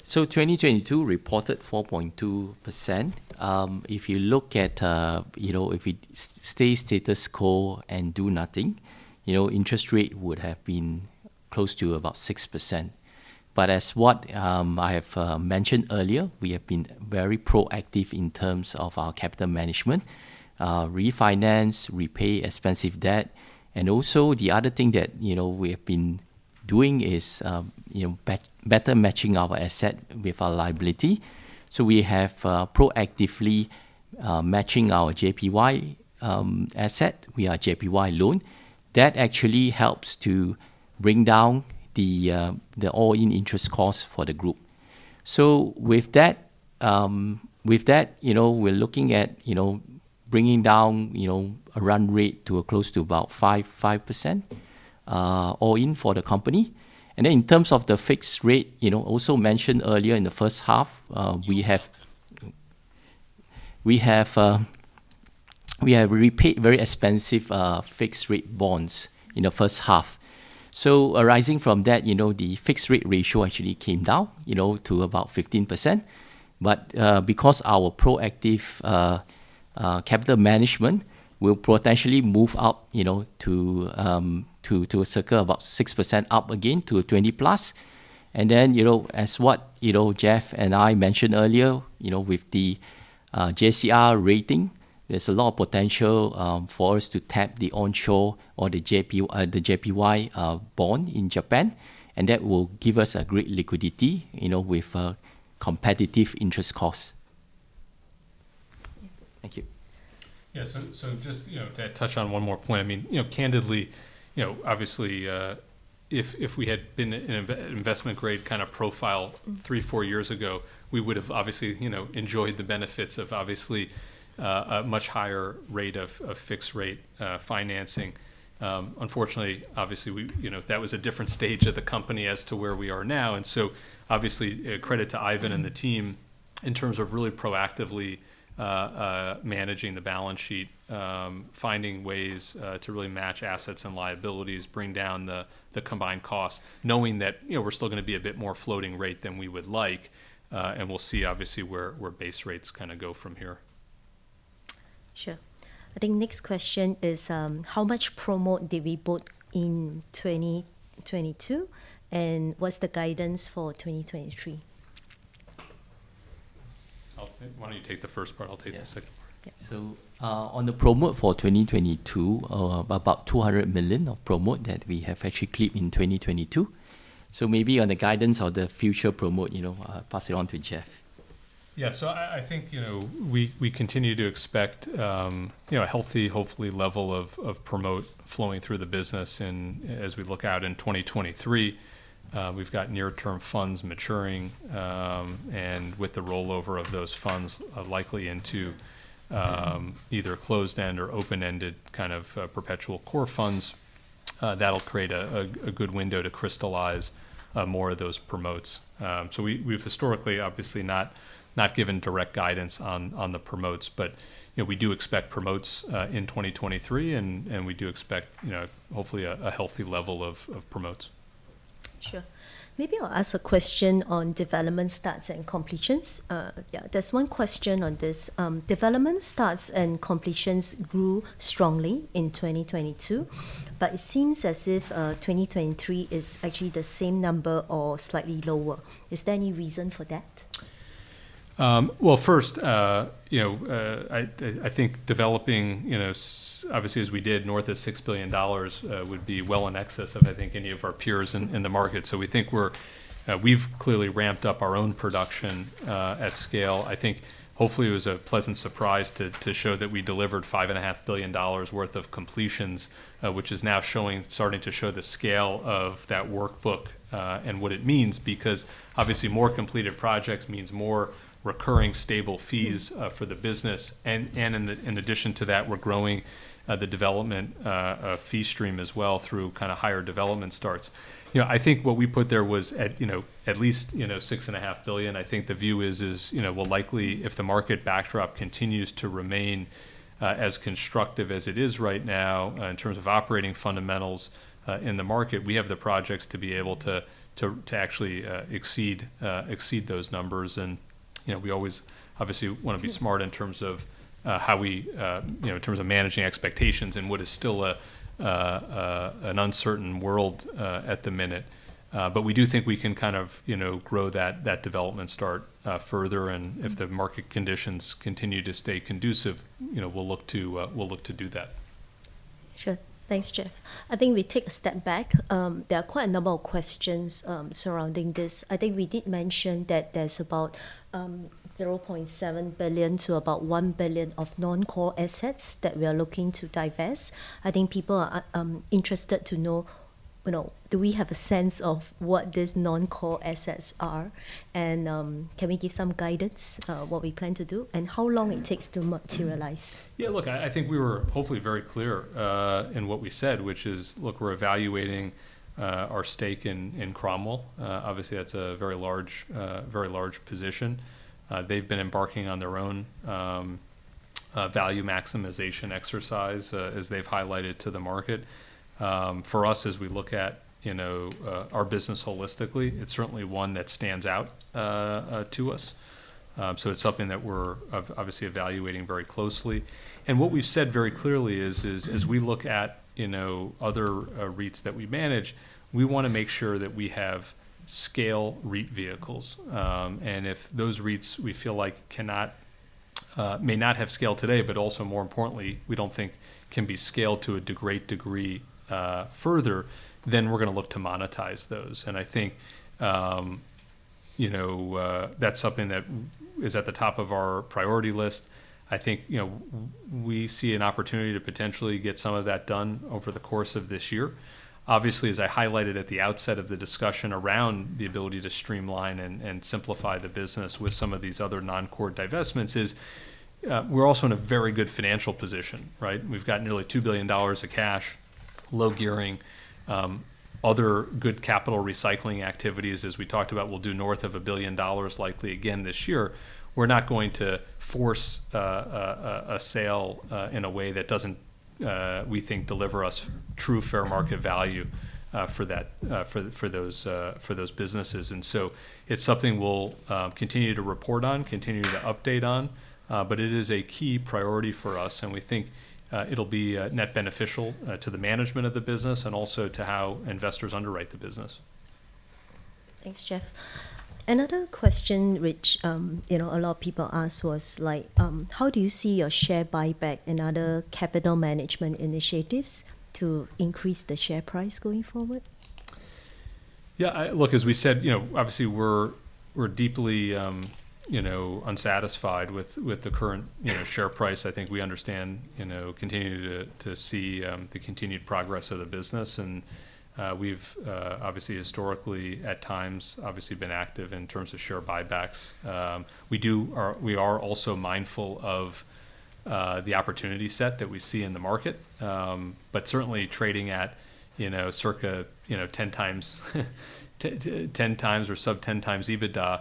C: Hua. 2022 reported 4.2%. If you look at, you know, if we stay status quo and do nothing, you know, interest rate would have been close to about 6%. As what I have mentioned earlier, we have been very proactive in terms of our capital management, refinance, repay expensive debt. Also, the other thing that, you know, we have been doing is, you know, better matching our asset with our liability. We have proactively matching our JPY asset via JPY loan. That actually helps to bring down the all-in interest cost for the group. With that, with that, you know, we're looking at, you know, bringing down, you know, a run rate to close to about 5% all-in for the company. In terms of the fixed rate, you know, also mentioned earlier in the first half, we have repaid very expensive fixed rate bonds in the first half. Arising from that, you know, the fixed rate ratio actually came down, you know, to about 15%. Because our proactive capital management will potentially move up, you know, to a circle about 6% up again to 20+. You know, as what, you know, Jeff and I mentioned earlier, you know, with the JCR rating, there's a lot of potential for us to tap the onshore or the JPY bond in Japan, and that will give us a great liquidity, you know, with competitive interest costs.
A: Thank you.
C: Thank you.
B: Just, you know, to touch on one more point. I mean, you know, candidly, you know, obviously, if we had been an investment grade kind of profile three, four years ago, we would have obviously, you know, enjoyed the benefits of obviously, a much higher rate of fixed rate financing. Unfortunately, obviously, you know, that was a different stage of the company as to where we are now. Obviously, credit to Ivan and the team in terms of really proactively managing the balance sheet, finding ways to really match assets and liabilities, bring down the combined costs, knowing that, you know, we're still gonna be a bit more floating rate than we would like, and we'll see obviously where base rates kinda go from here.
A: Sure. I think next question is, how much promote did we bought in 2022, and what's the guidance for 2023?
B: Why don't you take the first part? I'll take the second part.
A: Yeah. On the promote for 2022, about $200 million of promote that we have actually kept in 2022. Maybe on the guidance of the future promote, you know, pass it on to Jeffrey.
B: Yeah. I think, you know, we continue to expect, you know, a healthy, hopefully, level of promote flowing through the business. As we look out in 2023, we've got near-term funds maturing. With the rollover of those funds, likely into either closed-end or open-ended kind of perpetual core funds, that'll create a good window to crystallize more of those promotes. We've historically obviously not given direct guidance on the promotes, but, you know, we do expect promotes in 2023, and we do expect, you know, hopefully a healthy level of promotes.
A: Sure. Maybe I'll ask a question on development stats and completions. Yeah, there's 1 question on this. Development stats and completions grew strongly in 2022. It seems as if, 2023 is actually the same number or slightly lower. Is there any reason for that?
B: Well, first, you know, I think developing, you know, obviously as we did, north of $6 billion, would be well in excess of, I think, any of our peers in the market. We think we've clearly ramped up our own production, at scale. I think hopefully it was a pleasant surprise to show that we delivered $5.5 billion worth of completions, which is now starting to show the scale of that workbook, and what it means. Obviously more completed projects means more recurring stable fees for the business. In addition to that, we're growing the development fee stream as well through kind of higher development starts. You know, I think what we put there was at least $6.5 billion. The view is, we'll likely, if the market backdrop continues to remain as constructive as it is right now, in terms of operating fundamentals in the market, we have the projects to be able to actually exceed those numbers. We always obviously wanna be smart in terms of how we in terms of managing expectations in what is still an uncertain world at the minute. We do think we can kind of, you know, grow that development start, further. If the market conditions continue to stay conducive, you know, we'll look to do that.
A: Sure. Thanks, Jeff. I think we take a step back. There are quite a number of questions surrounding this. I think we did mention that there's about $0.7 billion-$1 billion of non-core assets that we are looking to divest. I think people are interested to know, you know, do we have a sense of what these non-core assets are? Can we give some guidance, what we plan to do, and how long it takes to materialize?
B: Yeah, look, I think we were hopefully very clear in what we said, which is, look, we're evaluating our stake in Cromwell. Obviously that's a very large, very large position. They've been embarking on their own value maximization exercise as they've highlighted to the market. For us, as we look at, you know, our business holistically, it's certainly one that stands out to us. So it's something that we're obviously evaluating very closely. What we've said very clearly is as we look at, you know, other REITs that we manage, we wanna make sure that we have scale REIT vehicles. If those REITs we feel like cannot may not have scale today, but also more importantly, we don't think can be scaled to a great degree further, then we're gonna look to monetize those. I think, you know, that's something that is at the top of our priority list. I think, you know, we see an opportunity to potentially get some of that done over the course of this year. Obviously, as I highlighted at the outset of the discussion around the ability to streamline and simplify the business with some of these other non-core divestments is, we're also in a very good financial position, right? We've got nearly $2 billion of cash, low gearing, other good capital recycling activities, as we talked about, we'll do north of $1 billion likely again this year. We're not going to force a sale in a way that doesn't we think deliver us true fair market value for that for those businesses. It's something we'll continue to report on, continue to update on. It is a key priority for us, and we think it'll be net beneficial to the management of the business and also to how investors underwrite the business.
A: Thanks, Jeff. Another question which, you know, a lot of people asked was, like, how do you see your share buyback and other capital management initiatives to increase the share price going forward?
B: Yeah, I look, as we said, you know, obviously we're deeply, you know, unsatisfied with the current, you know, share price. I think we understand, you know, continuing to see the continued progress of the business. We've obviously historically at times obviously been active in terms of share buybacks. We are also mindful of the opportunity set that we see in the market. Certainly trading at, you know, circa, you know, 10 times or sub 10 times EBITDA,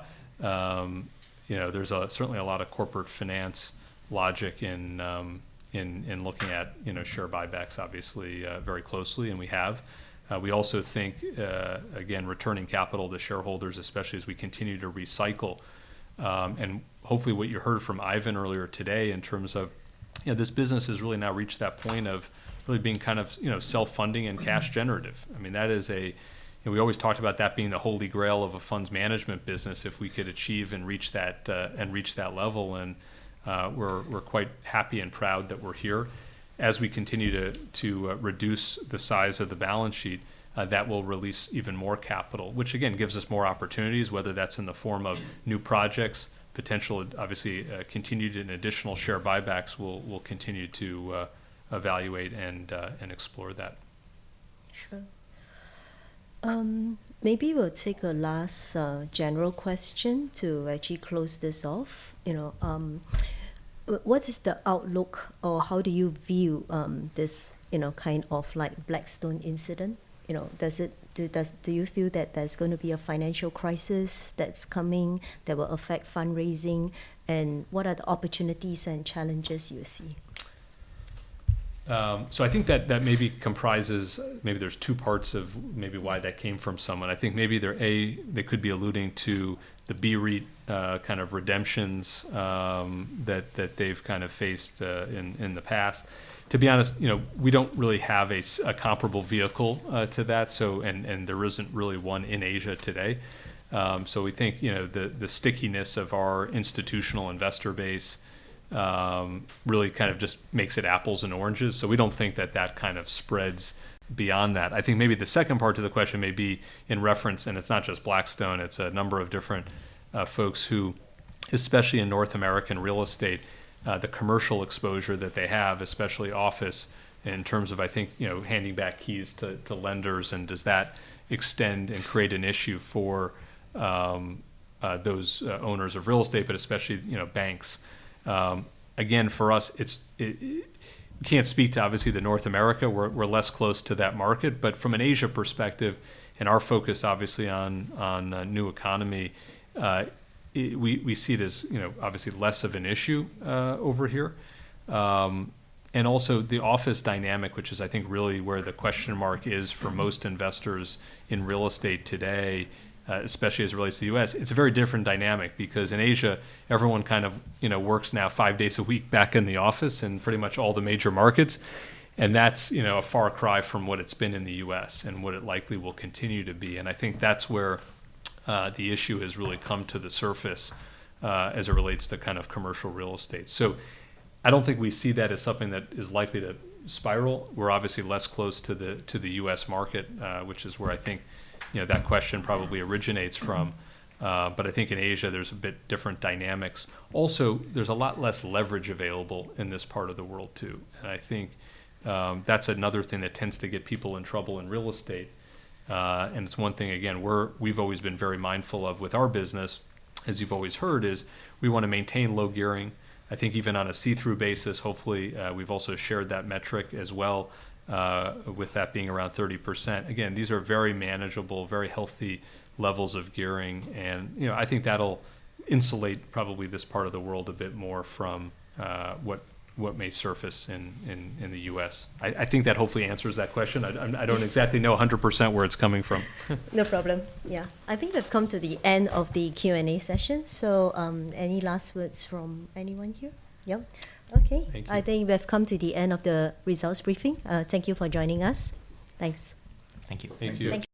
B: you know, there's certainly a lot of corporate finance logic in looking at, you know, share buybacks obviously very closely, and we have. We also think again, returning capital to shareholders, especially as we continue to recycle. Hopefully what you heard from Ivan earlier today. You know, this business has really now reached that point of really being kind of, you know, self-funding and cash generative. I mean, that is a. You know, we always talked about that being the holy grail of a funds management business if we could achieve and reach that and reach that level. We're quite happy and proud that we're here. As we continue to reduce the size of the balance sheet, that will release even more capital, which again gives us more opportunities, whether that's in the form of new projects, potential, obviously, continued and additional share buybacks. We'll continue to evaluate and explore that.
A: Sure. Maybe we'll take a last general question to actually close this off. You know, what is the outlook or how do you view this, you know, kind of like Blackstone incident? You know, Do you feel that there's gonna be a financial crisis that's coming that will affect fundraising? What are the opportunities and challenges you see?
B: I think that that maybe comprises. Maybe there's two parts of maybe why that came from someone. I think maybe they're, A, they could be alluding to the BREIT kind of redemptions that they've kind of faced in the past. To be honest, you know, we don't really have a comparable vehicle to that. There isn't really one in Asia today. We think, you know, the stickiness of our institutional investor base really kind of just makes it apples and oranges. We don't think that that kind of spreads beyond that. I think maybe the second part to the question may be in reference. It's not just Blackstone, it's a number of different folks who, especially in North American real estate, the commercial exposure that they have, especially office in terms of, I think, you know, handing back keys to lenders. Does that extend and create an issue for those owners of real estate, but especially, you know, banks? Again, for us, it's. Can't speak to obviously the North America. We're less close to that market. From an Asia perspective and our focus obviously on New Economy, we see it as, you know, obviously less of an issue over here. Also the office dynamic, which is I think really where the question mark is for most investors in real estate today, especially as it relates to the U.S. It's a very different dynamic because in Asia, everyone kind of, you know, works now five days a week back in the office in pretty much all the major markets, and that's, you know, a far cry from what it's been in the U.S. and what it likely will continue to be. I think that's where the issue has really come to the surface as it relates to kind of commercial real estate. I don't think we see that as something that is likely to spiral. We're obviously less close to the U.S. market, which is where I think, you know, that question probably originates from. I think in Asia, there's a bit different dynamics. There's a lot less leverage available in this part of the world too, and I think that's another thing that tends to get people in trouble in real estate. It's one thing, again, we've always been very mindful of with our business, as you've always heard, is we wanna maintain low gearing. I think even on a see-through basis, hopefully, we've also shared that metric as well, with that being around 30%. These are very manageable, very healthy levels of gearing and, you know, I think that'll insulate probably this part of the world a bit more from what may surface in the U.S. I think that hopefully answers that question.
A: Yes.
B: I don't exactly know 100% where it's coming from.
A: No problem. Yeah. I think we've come to the end of the Q&A session. Any last words from anyone here? Yeah. Okay.
B: Thank you.
A: I think we have come to the end of the results briefing. Thank you for joining us. Thanks.
B: Thank you.
E: Thank you.
A: Thank you.